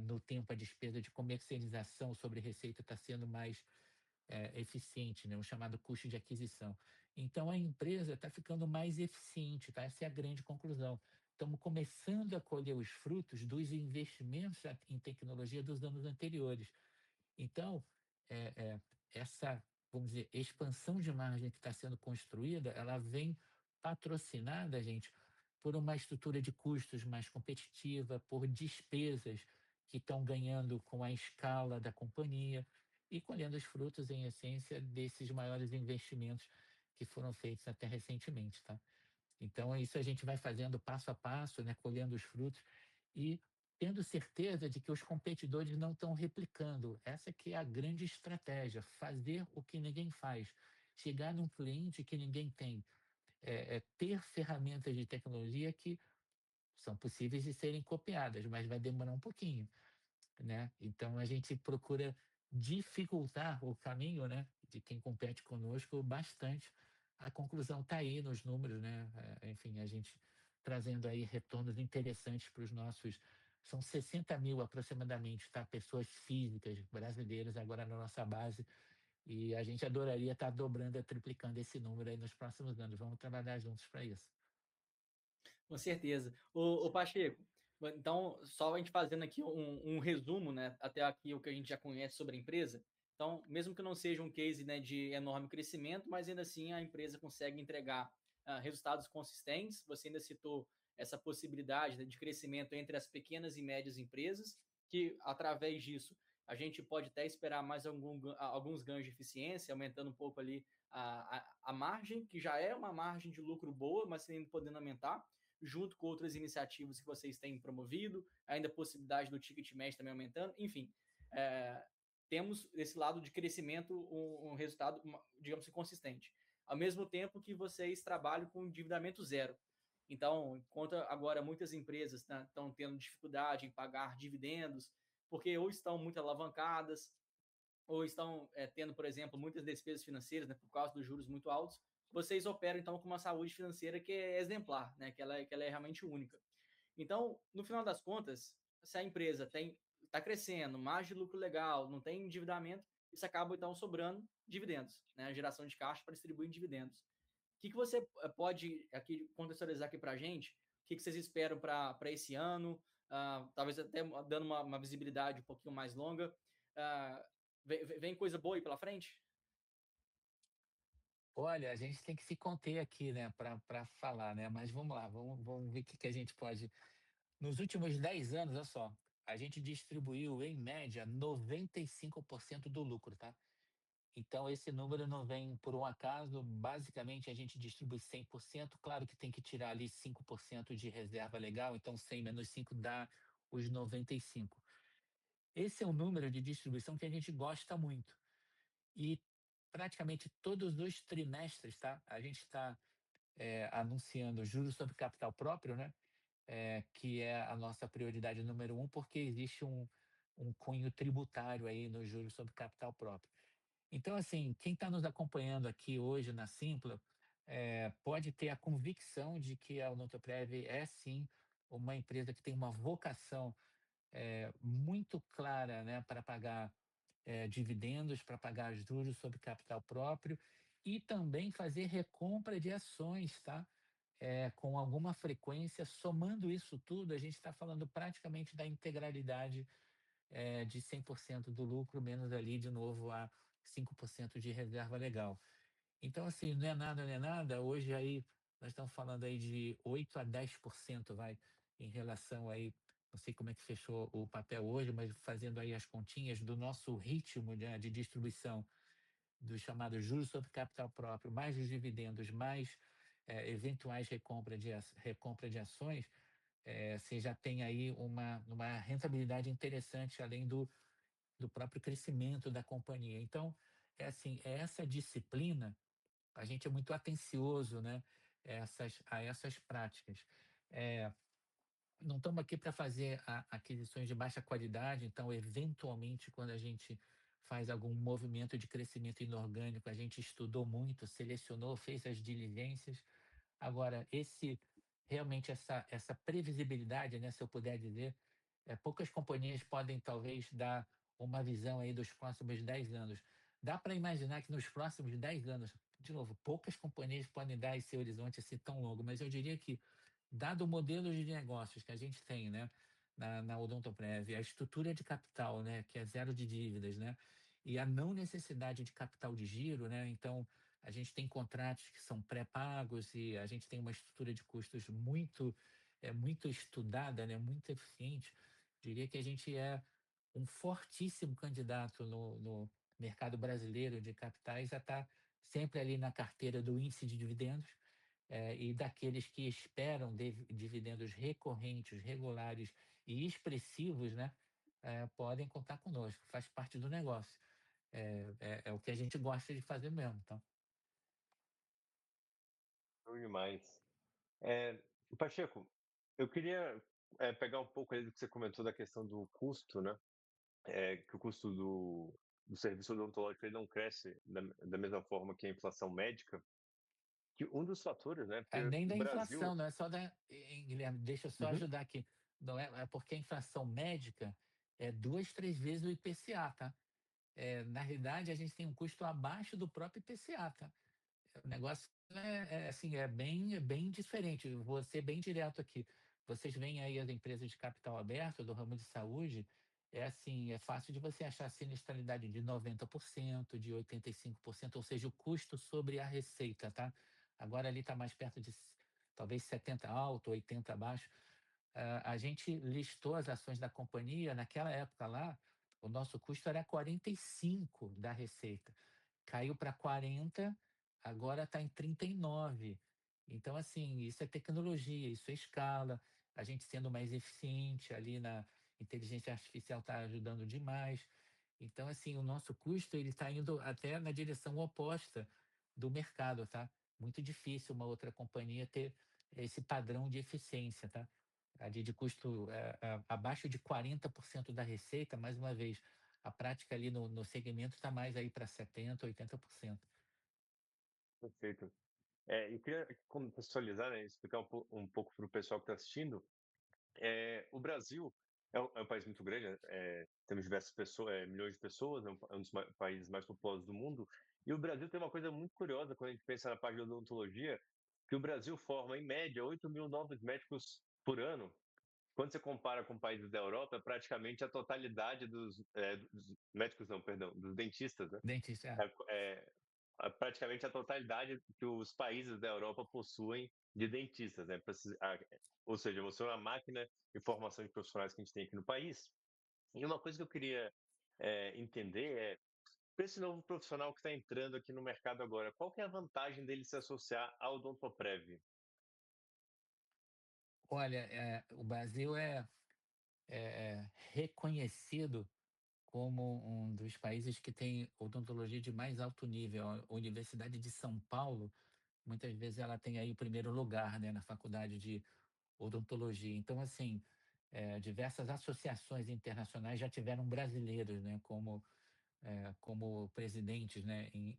no tempo, a despesa de comercialização sobre receita está sendo mais eficiente, né? O chamado custo de aquisição. Então a empresa está ficando mais eficiente, está? Essa é a grande conclusão. Estamos começando a colher os frutos dos investimentos em tecnologia dos anos anteriores. Então essa expansão de margem que está sendo construída, ela vem patrocinada por uma estrutura de custos mais competitiva, por despesas que estão ganhando com a escala da companhia e colhendo os frutos, em essência, desses maiores investimentos que foram feitos até recentemente. Então isso a gente vai fazendo passo a passo, colhendo os frutos e tendo certeza de que os competidores não estão replicando. Essa que é a grande estratégia: fazer o que ninguém faz, chegar num cliente que ninguém tem, ter ferramentas de tecnologia que são possíveis de serem copiadas, mas vai demorar um pouquinho. Então a gente procura dificultar o caminho de quem compete conosco, bastante. A conclusão está aí nos números. A gente trazendo aí retornos interessantes pros nossos... são 60 mil, aproximadamente. Pessoas físicas brasileiras, agora na nossa base, e a gente adoraria estar dobrando e triplicando esse número aí nos próximos anos. Vamos trabalhar juntos para isso. Com certeza! Ô, Pacheco, então só a gente fazendo aqui um resumo, né, até aqui, o que a gente já conhece sobre a empresa. Então, mesmo que não seja um case, né, de enorme crescimento, mas ainda assim a empresa consegue entregar resultados consistentes. Você ainda citou essa possibilidade, né, de crescimento entre as pequenas e médias empresas, que através disso, a gente pode até esperar mais alguns ganhos de eficiência, aumentando um pouco ali a margem, que já é uma margem de lucro boa, mas ainda podendo aumentar, junto com outras iniciativas que vocês têm promovido, ainda a possibilidade do ticket médio também aumentando. Enfim, temos esse lado de crescimento, um resultado, digamos, consistente. Ao mesmo tempo que vocês trabalham com endividamento zero. Então, enquanto agora muitas empresas, né, estão tendo dificuldade em pagar dividendos, porque ou estão muito alavancadas, ou estão tendo, por exemplo, muitas despesas financeiras, né, por causa dos juros muito altos, vocês operam então com uma saúde financeira que é exemplar, né? Que ela é realmente única. Então, no final das contas, se a empresa está crescendo, margem de lucro legal, não tem endividamento, isso acaba então sobrando dividendos, né? Geração de caixa para distribuir dividendos. O que você pode contextualizar aqui para a gente, o que vocês esperam para esse ano, talvez até dando uma visibilidade um pouquinho mais longa, vem coisa boa aí pela frente? Olha, a gente tem que se conter aqui, né, pra falar, né? Mas vamos lá, vamos ver o que a gente pode... Nos últimos 10 anos, ó só, a gente distribuiu, em média, 95% do lucro, tá? Então esse número não vem por acaso. Basicamente, a gente distribui 100%, claro que tem que tirar ali 5% de reserva legal, então 100 menos cinco, dá os 95%. Esse é um número de distribuição que a gente gosta muito, e praticamente todos os trimestres, tá, a gente tá anunciando juros sobre capital próprio, né, que é a nossa prioridade número um, porque existe um cunho tributário aí no juro sobre capital próprio. Então assim, quem está nos acompanhando aqui hoje na Simpla pode ter a convicção de que a Odontoprev é sim uma empresa que tem uma vocação muito clara para pagar dividendos, para pagar juros sobre capital próprio e também fazer recompra de ações com alguma frequência. Somando isso tudo, a gente está falando praticamente da integralidade de 100% do lucro, menos ali, de novo, os 5% de reserva legal. Então assim, não é nada, não é nada, hoje aí, nós estamos falando aí de 8% a 10%, vai, em relação aí. Não sei como é que fechou o papel hoje, mas fazendo aí as pontinhas do nosso ritmo, né, de distribuição dos chamados juros sobre capital próprio, mais os dividendos, mais eventuais recompra de ações, você já tem aí uma rentabilidade interessante, além do próprio crescimento da companhia. Então, é assim, é essa disciplina, a gente é muito atencioso, né, a essas práticas. Não estamos aqui para fazer aquisições de baixa qualidade, então eventualmente, quando a gente faz algum movimento de crescimento inorgânico, a gente estudou muito, selecionou, fez as diligências. Agora, essa realmente essa previsibilidade, né, se eu puder dizer, poucas companhias podem talvez dar uma visão aí dos próximos 10 anos. Dá para imaginar que nos próximos 10 anos, de novo, poucas companhias podem dar esse horizonte assim tão longo, mas eu diria que dado o modelo de negócios que a gente tem na Odontoprev, a estrutura de capital que é zero de dívidas e a não necessidade de capital de giro, então a gente tem contratos que são pré-pagos e a gente tem uma estrutura de custos muito estudada, muito eficiente. Diria que a gente é um fortíssimo candidato no mercado brasileiro de capitais a estar sempre ali na carteira do índice de dividendos e daqueles que esperam dividendos recorrentes, regulares e expressivos, podem contar conosco, faz parte do negócio. É o que a gente gosta de fazer mesmo, então. Show demais! É, Pacheco, eu queria pegar um pouco aí do que você comentou da questão do custo, né? Que o custo do serviço odontológico, ele não cresce da mesma forma que a inflação médica, que um dos fatores, né, porque o Brasil- Nem da inflação, não é só da... É, Guilherme, deixa eu só ajudar aqui. Não, é porque a inflação médica é duas, três vezes o IPCA, tá? É, na realidade, a gente tem um custo abaixo do próprio IPCA, tá? O negócio é assim, é bem diferente. Vou ser bem direto aqui. Vocês veem aí as empresas de capital aberto, do ramo de saúde, é assim, é fácil de você achar sinistralidade de 90%, de 85%, ou seja, o custo sobre a receita, tá? Agora, ali tá mais perto de... talvez 70% alto, 80% baixo. A gente listou as ações da companhia, naquela época lá, o nosso custo era 45% da receita, caiu para 40%, agora tá em 39%. Então assim, isso é tecnologia, isso é escala, a gente sendo mais eficiente, ali na... inteligência artificial tá ajudando demais. Então assim, o nosso custo ele está indo até na direção oposta do mercado, tá? Muito difícil uma outra companhia ter esse padrão de eficiência, tá? Ali de custo abaixo de 40% da receita, mais uma vez, a prática ali no segmento está mais aí para 70%, 80%. Perfeito! É, eu queria contextualizar, né, explicar um pouco pro pessoal que tá assistindo. É, o Brasil é um país muito grande, é, temos diversas pessoas, é, milhões de pessoas, é um dos países mais populosos do mundo. E o Brasil tem uma coisa muito curiosa quando a gente pensa na parte de odontologia, que o Brasil forma, em média, 8.000 novos dentistas por ano. Quando você compara com países da Europa, praticamente a totalidade dos dentistas, né? Dentistas, é. É, praticamente a totalidade que os países da Europa possuem de dentistas, né, para se a-- ou seja, você vê uma máquina de formação de profissionais que a gente tem aqui no país. E uma coisa que eu queria entender é: para esse novo profissional que está entrando aqui no mercado agora, qual que é a vantagem dele se associar à Odontoprev? Olha, o Brasil é reconhecido como um dos países que tem odontologia de mais alto nível. A Universidade de São Paulo, muitas vezes ela tem o primeiro lugar na faculdade de Odontologia. Então assim, diversas associações internacionais já tiveram brasileiros como presidentes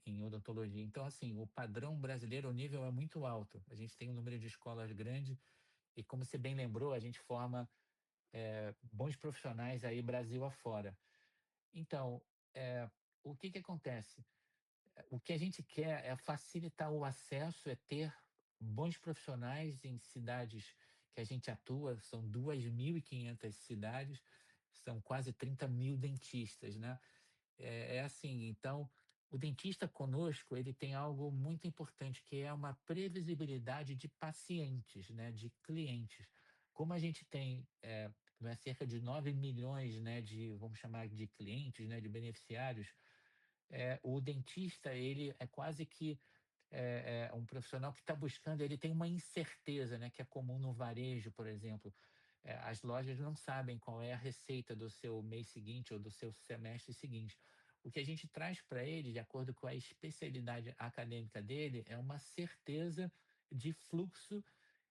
em odontologia. Então assim, o padrão brasileiro, o nível é muito alto. A gente tem um número de escolas grande, e como você bem lembrou, a gente forma bons profissionais Brasil afora. Então, o que acontece? O que a gente quer é facilitar o acesso, ter bons profissionais em cidades que a gente atua, são 2.500 cidades, são quase 30 mil dentistas. Então, o dentista conosco, ele tem algo muito importante, que é uma previsibilidade de pacientes, de clientes. Como a gente tem cerca de nove milhões de beneficiários, o dentista ele é quase que um profissional que está buscando... ele tem uma incerteza que é comum no varejo, por exemplo, as lojas não sabem qual é a receita do seu mês seguinte ou do seu semestre seguinte. O que a gente traz para ele, de acordo com a especialidade acadêmica dele, é uma certeza de fluxo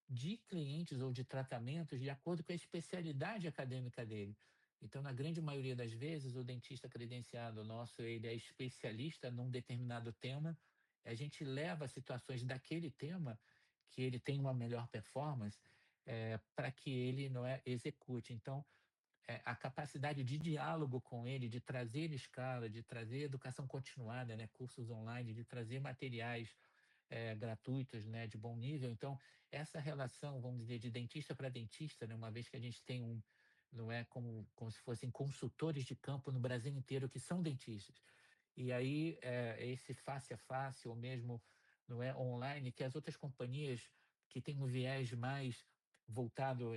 de clientes ou de tratamentos, de acordo com a especialidade acadêmica dele. Então, na grande maioria das vezes, o dentista credenciado nosso, ele é especialista num determinado tema, e a gente leva situações daquele tema, que ele tem uma melhor performance, para que ele execute. Então, a capacidade de diálogo com ele, de trazer escala, de trazer educação continuada, cursos online, de trazer materiais gratuitos de bom nível. Então, essa relação, vamos dizer, de dentista para dentista, uma vez que a gente tem um, como se fossem consultores de campo no Brasil inteiro, que são dentistas. E aí, esse face a face ou mesmo online, que as outras companhias que têm um viés mais voltado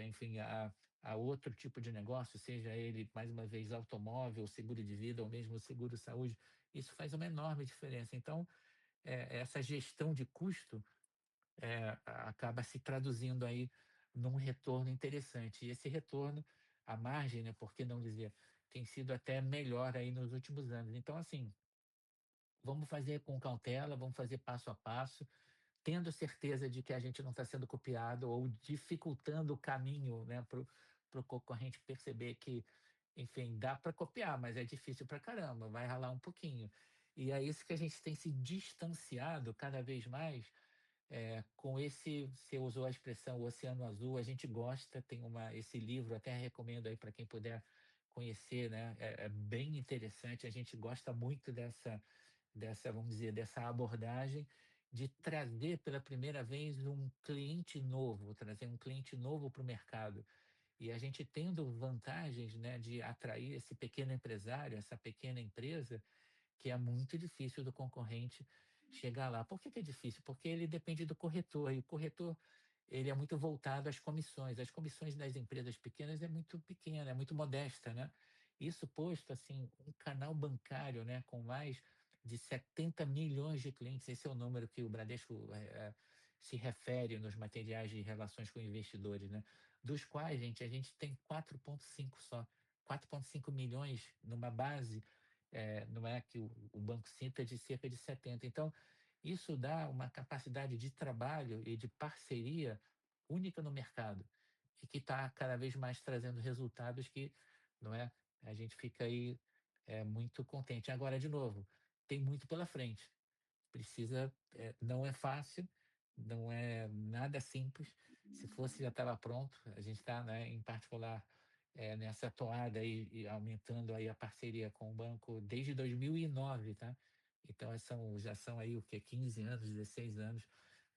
a outro tipo de negócio, seja ele, mais uma vez, automóvel, seguro de vida ou mesmo seguro saúde, isso faz uma enorme diferença. Então, essa gestão de custo acaba se traduzindo aí num retorno interessante, e esse retorno, a margem, por que não dizer, tem sido até melhor aí nos últimos anos. Então, assim, vamos fazer com cautela, vamos fazer passo a passo, tendo certeza de que a gente não está sendo copiado ou dificultando o caminho, né, pro concorrente perceber que, enfim, dá para copiar, mas é difícil para caramba, vai ralar um pouquinho. E é isso que a gente tem se distanciado cada vez mais com esse... você usou a expressão "O Oceano Azul", a gente gosta, tem esse livro, até recomendo aí para quem puder conhecer, né? É bem interessante, a gente gosta muito dessa abordagem, de trazer pela primeira vez um cliente novo, trazer um cliente novo pro mercado. E a gente tendo vantagens, né, de atrair esse pequeno empresário, essa pequena empresa, que é muito difícil do concorrente chegar lá. Por que que é difícil? Porque ele depende do corretor, e o corretor ele é muito voltado às comissões. As comissões das empresas pequenas é muito pequena, é muito modesta, né? Isso posto, assim, um canal bancário, né, com mais de 70 milhões de clientes, esse é o número que o Bradesco se refere nos materiais de relações com investidores, né? Dos quais, gente, a gente tem 4.5 só, 4.5 milhões numa base que o Banco Sim, que é de cerca de 70. Então, isso dá uma capacidade de trabalho e de parceria única no mercado, e que está cada vez mais trazendo resultados que a gente fica muito contente. Agora, de novo, tem muito pela frente. Precisa... não é fácil, não é nada simples. Se fosse, já estava pronto. A gente está, né, em particular, nessa toada e aumentando a parceria com o banco desde 2009, tá? Então, são... já são o quê? 15 anos, 16 anos,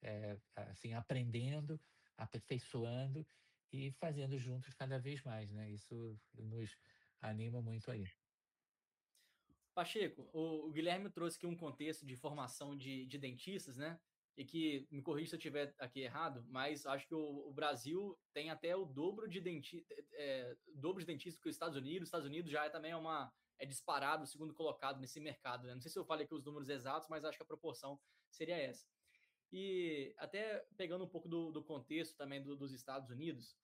é, assim, aprendendo, aperfeiçoando e fazendo juntos cada vez mais, né? Isso nos anima muito aí. Pacheco, o Guilherme trouxe aqui um contexto de formação de dentistas, né? E que, me corrige se eu tiver aqui errado, mas acho que o Brasil tem até o dobro de dentistas que os Estados Unidos. Estados Unidos já é também uma, é disparado o segundo colocado nesse mercado, né? Não sei se eu falei aqui os números exatos, mas acho que a proporção seria essa. E até pegando um pouco do contexto também dos Estados Unidos,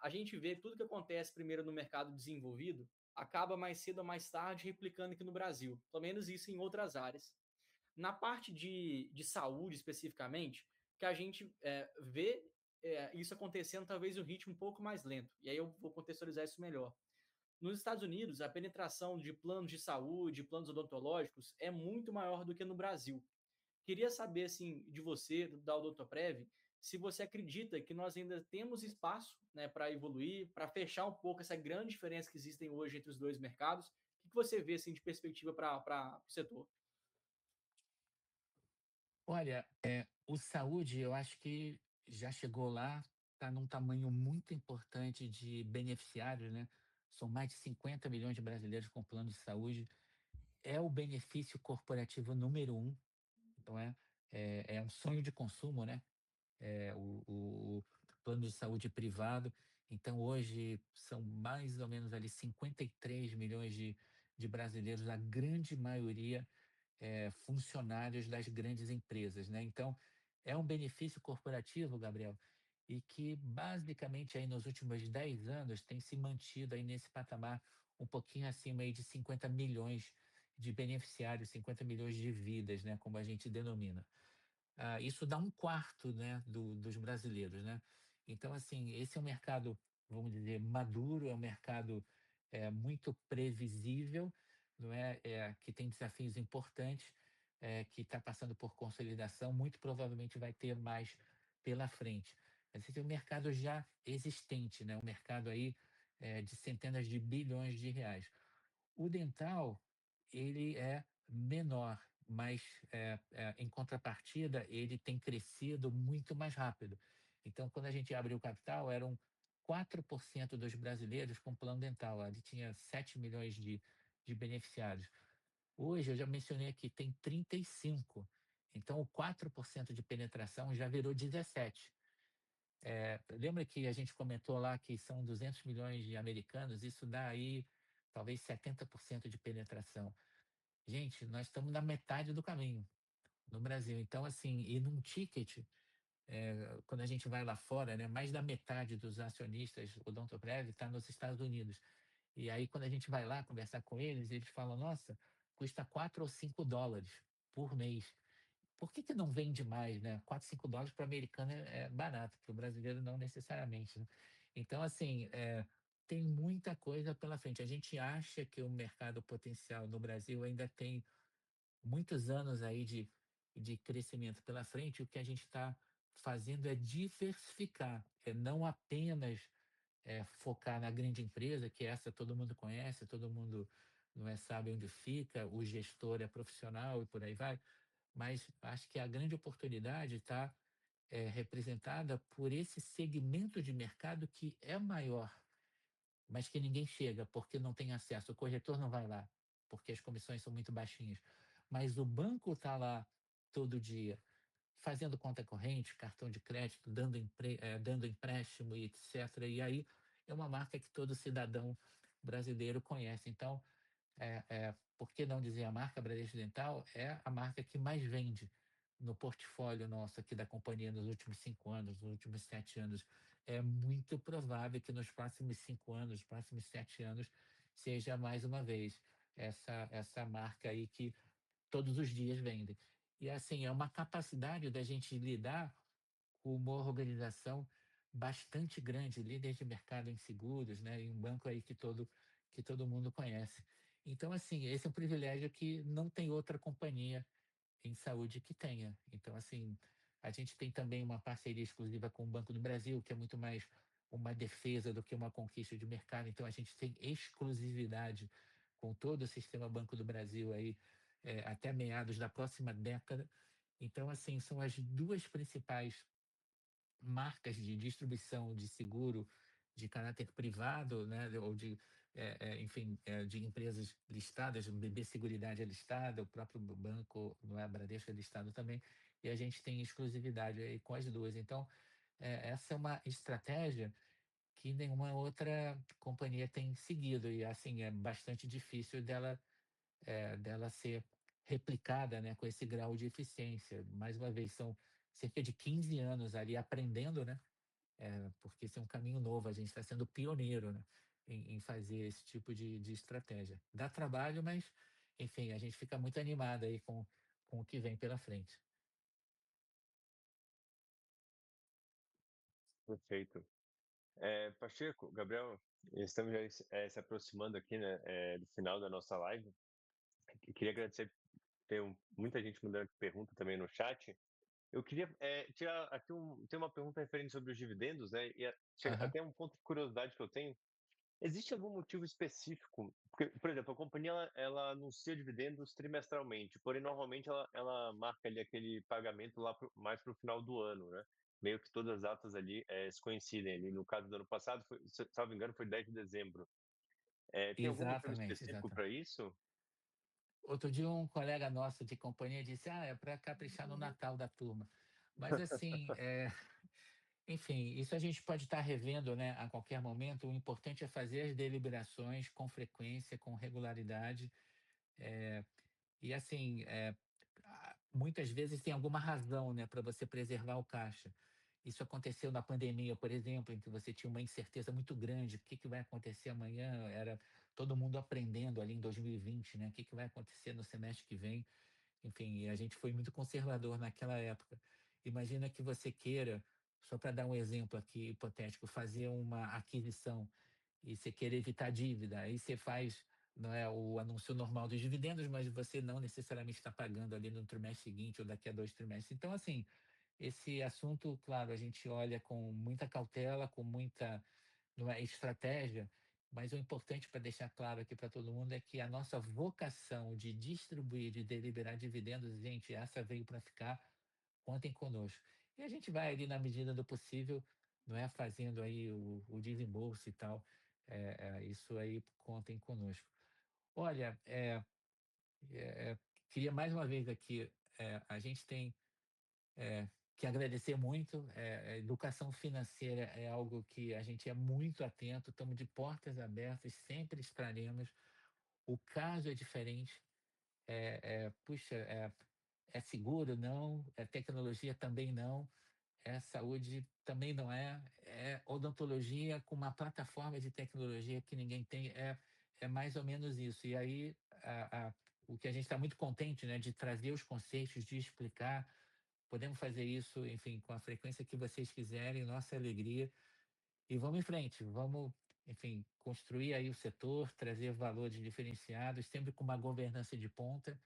a gente vê tudo que acontece primeiro no mercado desenvolvido, acaba mais cedo ou mais tarde, replicando aqui no Brasil, pelo menos isso em outras áreas. Na parte de saúde, especificamente, que a gente vê isso acontecendo, talvez num ritmo um pouco mais lento, e aí eu vou contextualizar isso melhor. Nos Estados Unidos, a penetração de planos de saúde, planos odontológicos, é muito maior do que no Brasil. Queria saber de você, da Odontoprev, se você acredita que nós ainda temos espaço para evoluir, para fechar um pouco essa grande diferença que existe hoje entre os dois mercados. O que você vê de perspectiva para o setor? Olha, o saúde, eu acho que já chegou lá, está num tamanho muito importante de beneficiários, né? São mais de 50 milhões de brasileiros com plano de saúde. É o benefício corporativo número um, não é? É um sonho de consumo, né, o plano de saúde privado. Então, hoje, são mais ou menos ali 53 milhões de brasileiros, a grande maioria, funcionários das grandes empresas, né? Então, é um benefício corporativo, Gabriel, e que basicamente, nos últimos 10 anos, tem se mantido nesse patamar, um pouquinho acima de 50 milhões de beneficiários, 50 milhões de vidas, né, como a gente denomina. Isso dá um quarto dos brasileiros, né? Então, esse é um mercado, vamos dizer, maduro, é um mercado muito previsível, não é? É, que tem desafios importantes, é, que está passando por consolidação, muito provavelmente vai ter mais pela frente. Esse é um mercado já existente, né? Um mercado aí, é, de centenas de bilhões de reais. O dental, ele é menor, mas, é, é, em contrapartida, ele tem crescido muito mais rápido. Então quando a gente abriu o capital, eram 4% dos brasileiros com plano dental, ele tinha sete milhões de beneficiários. Hoje, eu já mencionei aqui, tem 35. Então o 4% de penetração já virou 17%. Lembra que a gente comentou lá que são 200 milhões de americanos? Isso dá aí, talvez 70% de penetração. Gente, nós estamos na metade do caminho, no Brasil. Então assim, e num ticket, é... quando a gente vai lá fora, né, mais da metade dos acionistas Odontoprev está nos Estados Unidos. E aí quando a gente vai lá conversar com eles, eles falam: "Nossa, custa quatro ou cinco dólares por mês, por que que não vende mais, né?" Quatro, cinco dólares pro americano é barato, pro brasileiro não necessariamente, né? Então assim, tem muita coisa pela frente. A gente acha que o mercado potencial no Brasil ainda tem muitos anos aí de crescimento pela frente. O que a gente está fazendo é diversificar, não apenas focar na grande empresa, que essa todo mundo conhece, todo mundo sabe onde fica, o gestor é profissional e por aí vai. Mas acho que a grande oportunidade está representada por esse segmento de mercado, que é maior, mas que ninguém chega, porque não tem acesso. O corretor não vai lá, porque as comissões são muito baixinhas, mas o banco está lá todo dia fazendo conta corrente, cartão de crédito, dando empréstimo e etc. E aí, é uma marca que todo cidadão brasileiro conhece. Então, por que não dizer a marca Bradesco Dental? É a marca que mais vende no portfólio nosso, aqui da companhia, nos últimos cinco anos, nos últimos sete anos. É muito provável que nos próximos cinco anos, próximos sete anos, seja mais uma vez essa marca aí que todos os dias vende. E assim, é uma capacidade da gente lidar com uma organização bastante grande, líder de mercado em seguros, em um banco aí que todo mundo conhece. Então, assim, esse é um privilégio que não tem outra companhia em saúde que tenha. Então, assim, a gente tem também uma parceria exclusiva com o Banco do Brasil, que é muito mais uma defesa do que uma conquista de mercado. Então a gente tem exclusividade com todo o sistema Banco do Brasil até meados da próxima década. Então, assim, são as duas principais marcas de distribuição de seguro de caráter privado de empresas listadas. O BB Seguridade é listada, o próprio banco, Bradesco é listado também, e a gente tem exclusividade com as duas. Então essa é uma estratégia que nenhuma outra companhia tem seguido, e assim, é bastante difícil dela ser replicada com esse grau de eficiência. Mais uma vez, são cerca de 15 anos ali aprendendo. É, porque esse é um caminho novo, a gente está sendo pioneiro, né, em fazer esse tipo de estratégia. Dá trabalho, mas, enfim, a gente fica muito animado aí com o que vem pela frente. Perfeito! É, Pacheco, Gabriel, estamos já se aproximando aqui, né, do final da nossa live. Queria agradecer, tem muita gente mandando pergunta também no chat. Eu queria tirar aqui uma pergunta referente sobre os dividendos, né? Aham! Até um ponto de curiosidade que eu tenho: existe algum motivo específico? Porque, por exemplo, a companhia ela anuncia dividendos trimestralmente, porém, normalmente ela marca ali aquele pagamento lá pro mais pro final do ano, né? Meio que todas as datas ali se coincidem. Ali no caso do ano passado, foi, se eu não estava enganado, foi 10 de dezembro. Exatamente! Tem algum motivo específico para isso? Outro dia, um colega nosso de companhia disse: "ah, é pra caprichar no Natal da turma". Mas assim, enfim, isso a gente pode estar revendo, né, a qualquer momento. O importante é fazer as deliberações com frequência, com regularidade. E assim, muitas vezes, tem alguma razão, né, pra você preservar o caixa. Isso aconteceu na pandemia, por exemplo, em que você tinha uma incerteza muito grande: "o que que vai acontecer amanhã?" Era todo mundo aprendendo ali em 2020, né? O que que vai acontecer no semestre que vem? Enfim, e a gente foi muito conservador naquela época. Imagina que você queira, só pra dar um exemplo aqui hipotético, fazer uma aquisição e você querer evitar dívida, aí você faz, não é, o anúncio normal de dividendos, mas você não necessariamente está pagando ali no trimestre seguinte ou daqui a dois trimestres. Então, assim, esse assunto, claro, a gente olha com muita cautela, com muita estratégia, mas o importante, para deixar claro aqui para todo mundo, é que a nossa vocação de distribuir, de deliberar dividendos, gente, essa veio para ficar. Contem conosco. A gente vai ali na medida do possível fazendo o desembolso e tal, é isso aí, contem conosco. Olha, queria mais uma vez aqui agradecer muito. Educação financeira é algo que a gente é muito atento, estamos de portas abertas, sempre estaremos. O caso é diferente, puxa, é seguro, não, é tecnologia, também não, é saúde, também não é, é odontologia com uma plataforma de tecnologia que ninguém tem, é mais ou menos isso. E aí, o que a gente está muito contente, né, de trazer os conceitos, de explicar. Podemos fazer isso, enfim, com a frequência que vocês quiserem, nossa alegria. E vamos em frente, vamos, enfim, construir aí o setor, trazer valores diferenciados, sempre com uma governança de ponta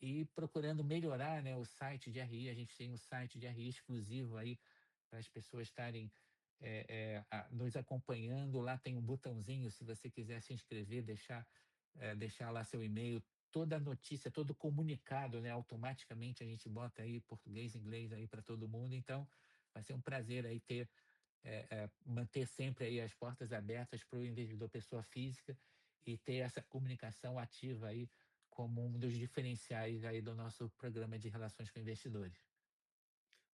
e procurando melhorar, né, o site de RI. A gente tem um site de RI exclusivo aí, para as pessoas estarem nos acompanhando. Lá tem um botãozinho, se você quiser se inscrever, deixar lá seu e-mail. Toda notícia, todo comunicado, né, automaticamente a gente bota aí, português, inglês, aí para todo mundo. Então, vai ser um prazer aí ter, manter sempre aí as portas abertas pro investidor pessoa física e ter essa comunicação ativa aí, como um dos diferenciais aí do nosso programa de relações com investidores.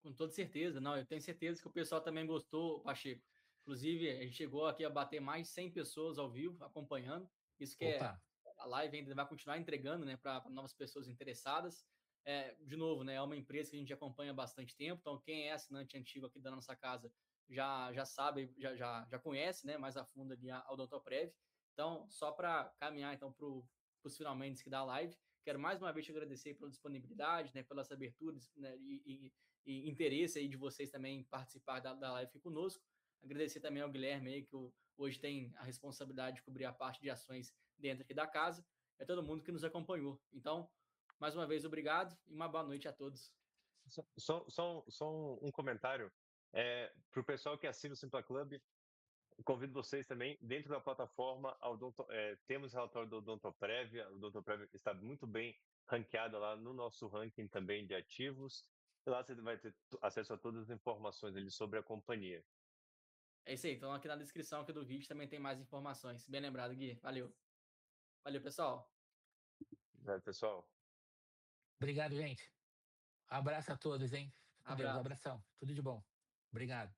Com toda certeza! Não, eu tenho certeza que o pessoal também gostou, Pacheco. Inclusive, a gente chegou aqui a bater mais de 100 pessoas ao vivo, acompanhando. Pô, tá. Isso que a live ainda vai continuar entregando, né, para, para novas pessoas interessadas. É, de novo, né, é uma empresa que a gente acompanha há bastante tempo, então quem é assinante antigo aqui da nossa casa, já, já sabe, já, já, já conhece, né, mais a fundo ali a Odontoprev. Então, só para caminhar então para os finalmentes aqui da live, quero mais uma vez te agradecer pela disponibilidade, né, pela essa abertura, né, e interesse aí de vocês também em participar da live conosco. Agradecer também ao Guilherme, aí, que hoje tem a responsabilidade de cobrir a parte de ações dentro aqui da casa, e a todo mundo que nos acompanhou. Então, mais uma vez, obrigado e uma boa noite a todos. Só um comentário: para o pessoal que assina o Simpla Club, convido vocês também, dentro da plataforma, Odonto— temos o relatório da Odontoprev, a Odontoprev está muito bem ranqueada lá no nosso ranking também de ativos, e lá você vai ter acesso a todas as informações sobre a companhia. É isso aí, então aqui na descrição aqui do vídeo também tem mais informações. Bem lembrado, Gui. Valeu. Valeu, pessoal! Valeu, pessoal. Obrigado, gente. Abraço a todos, hein? Abraço. Um abraço, tudo de bom. Obrigado!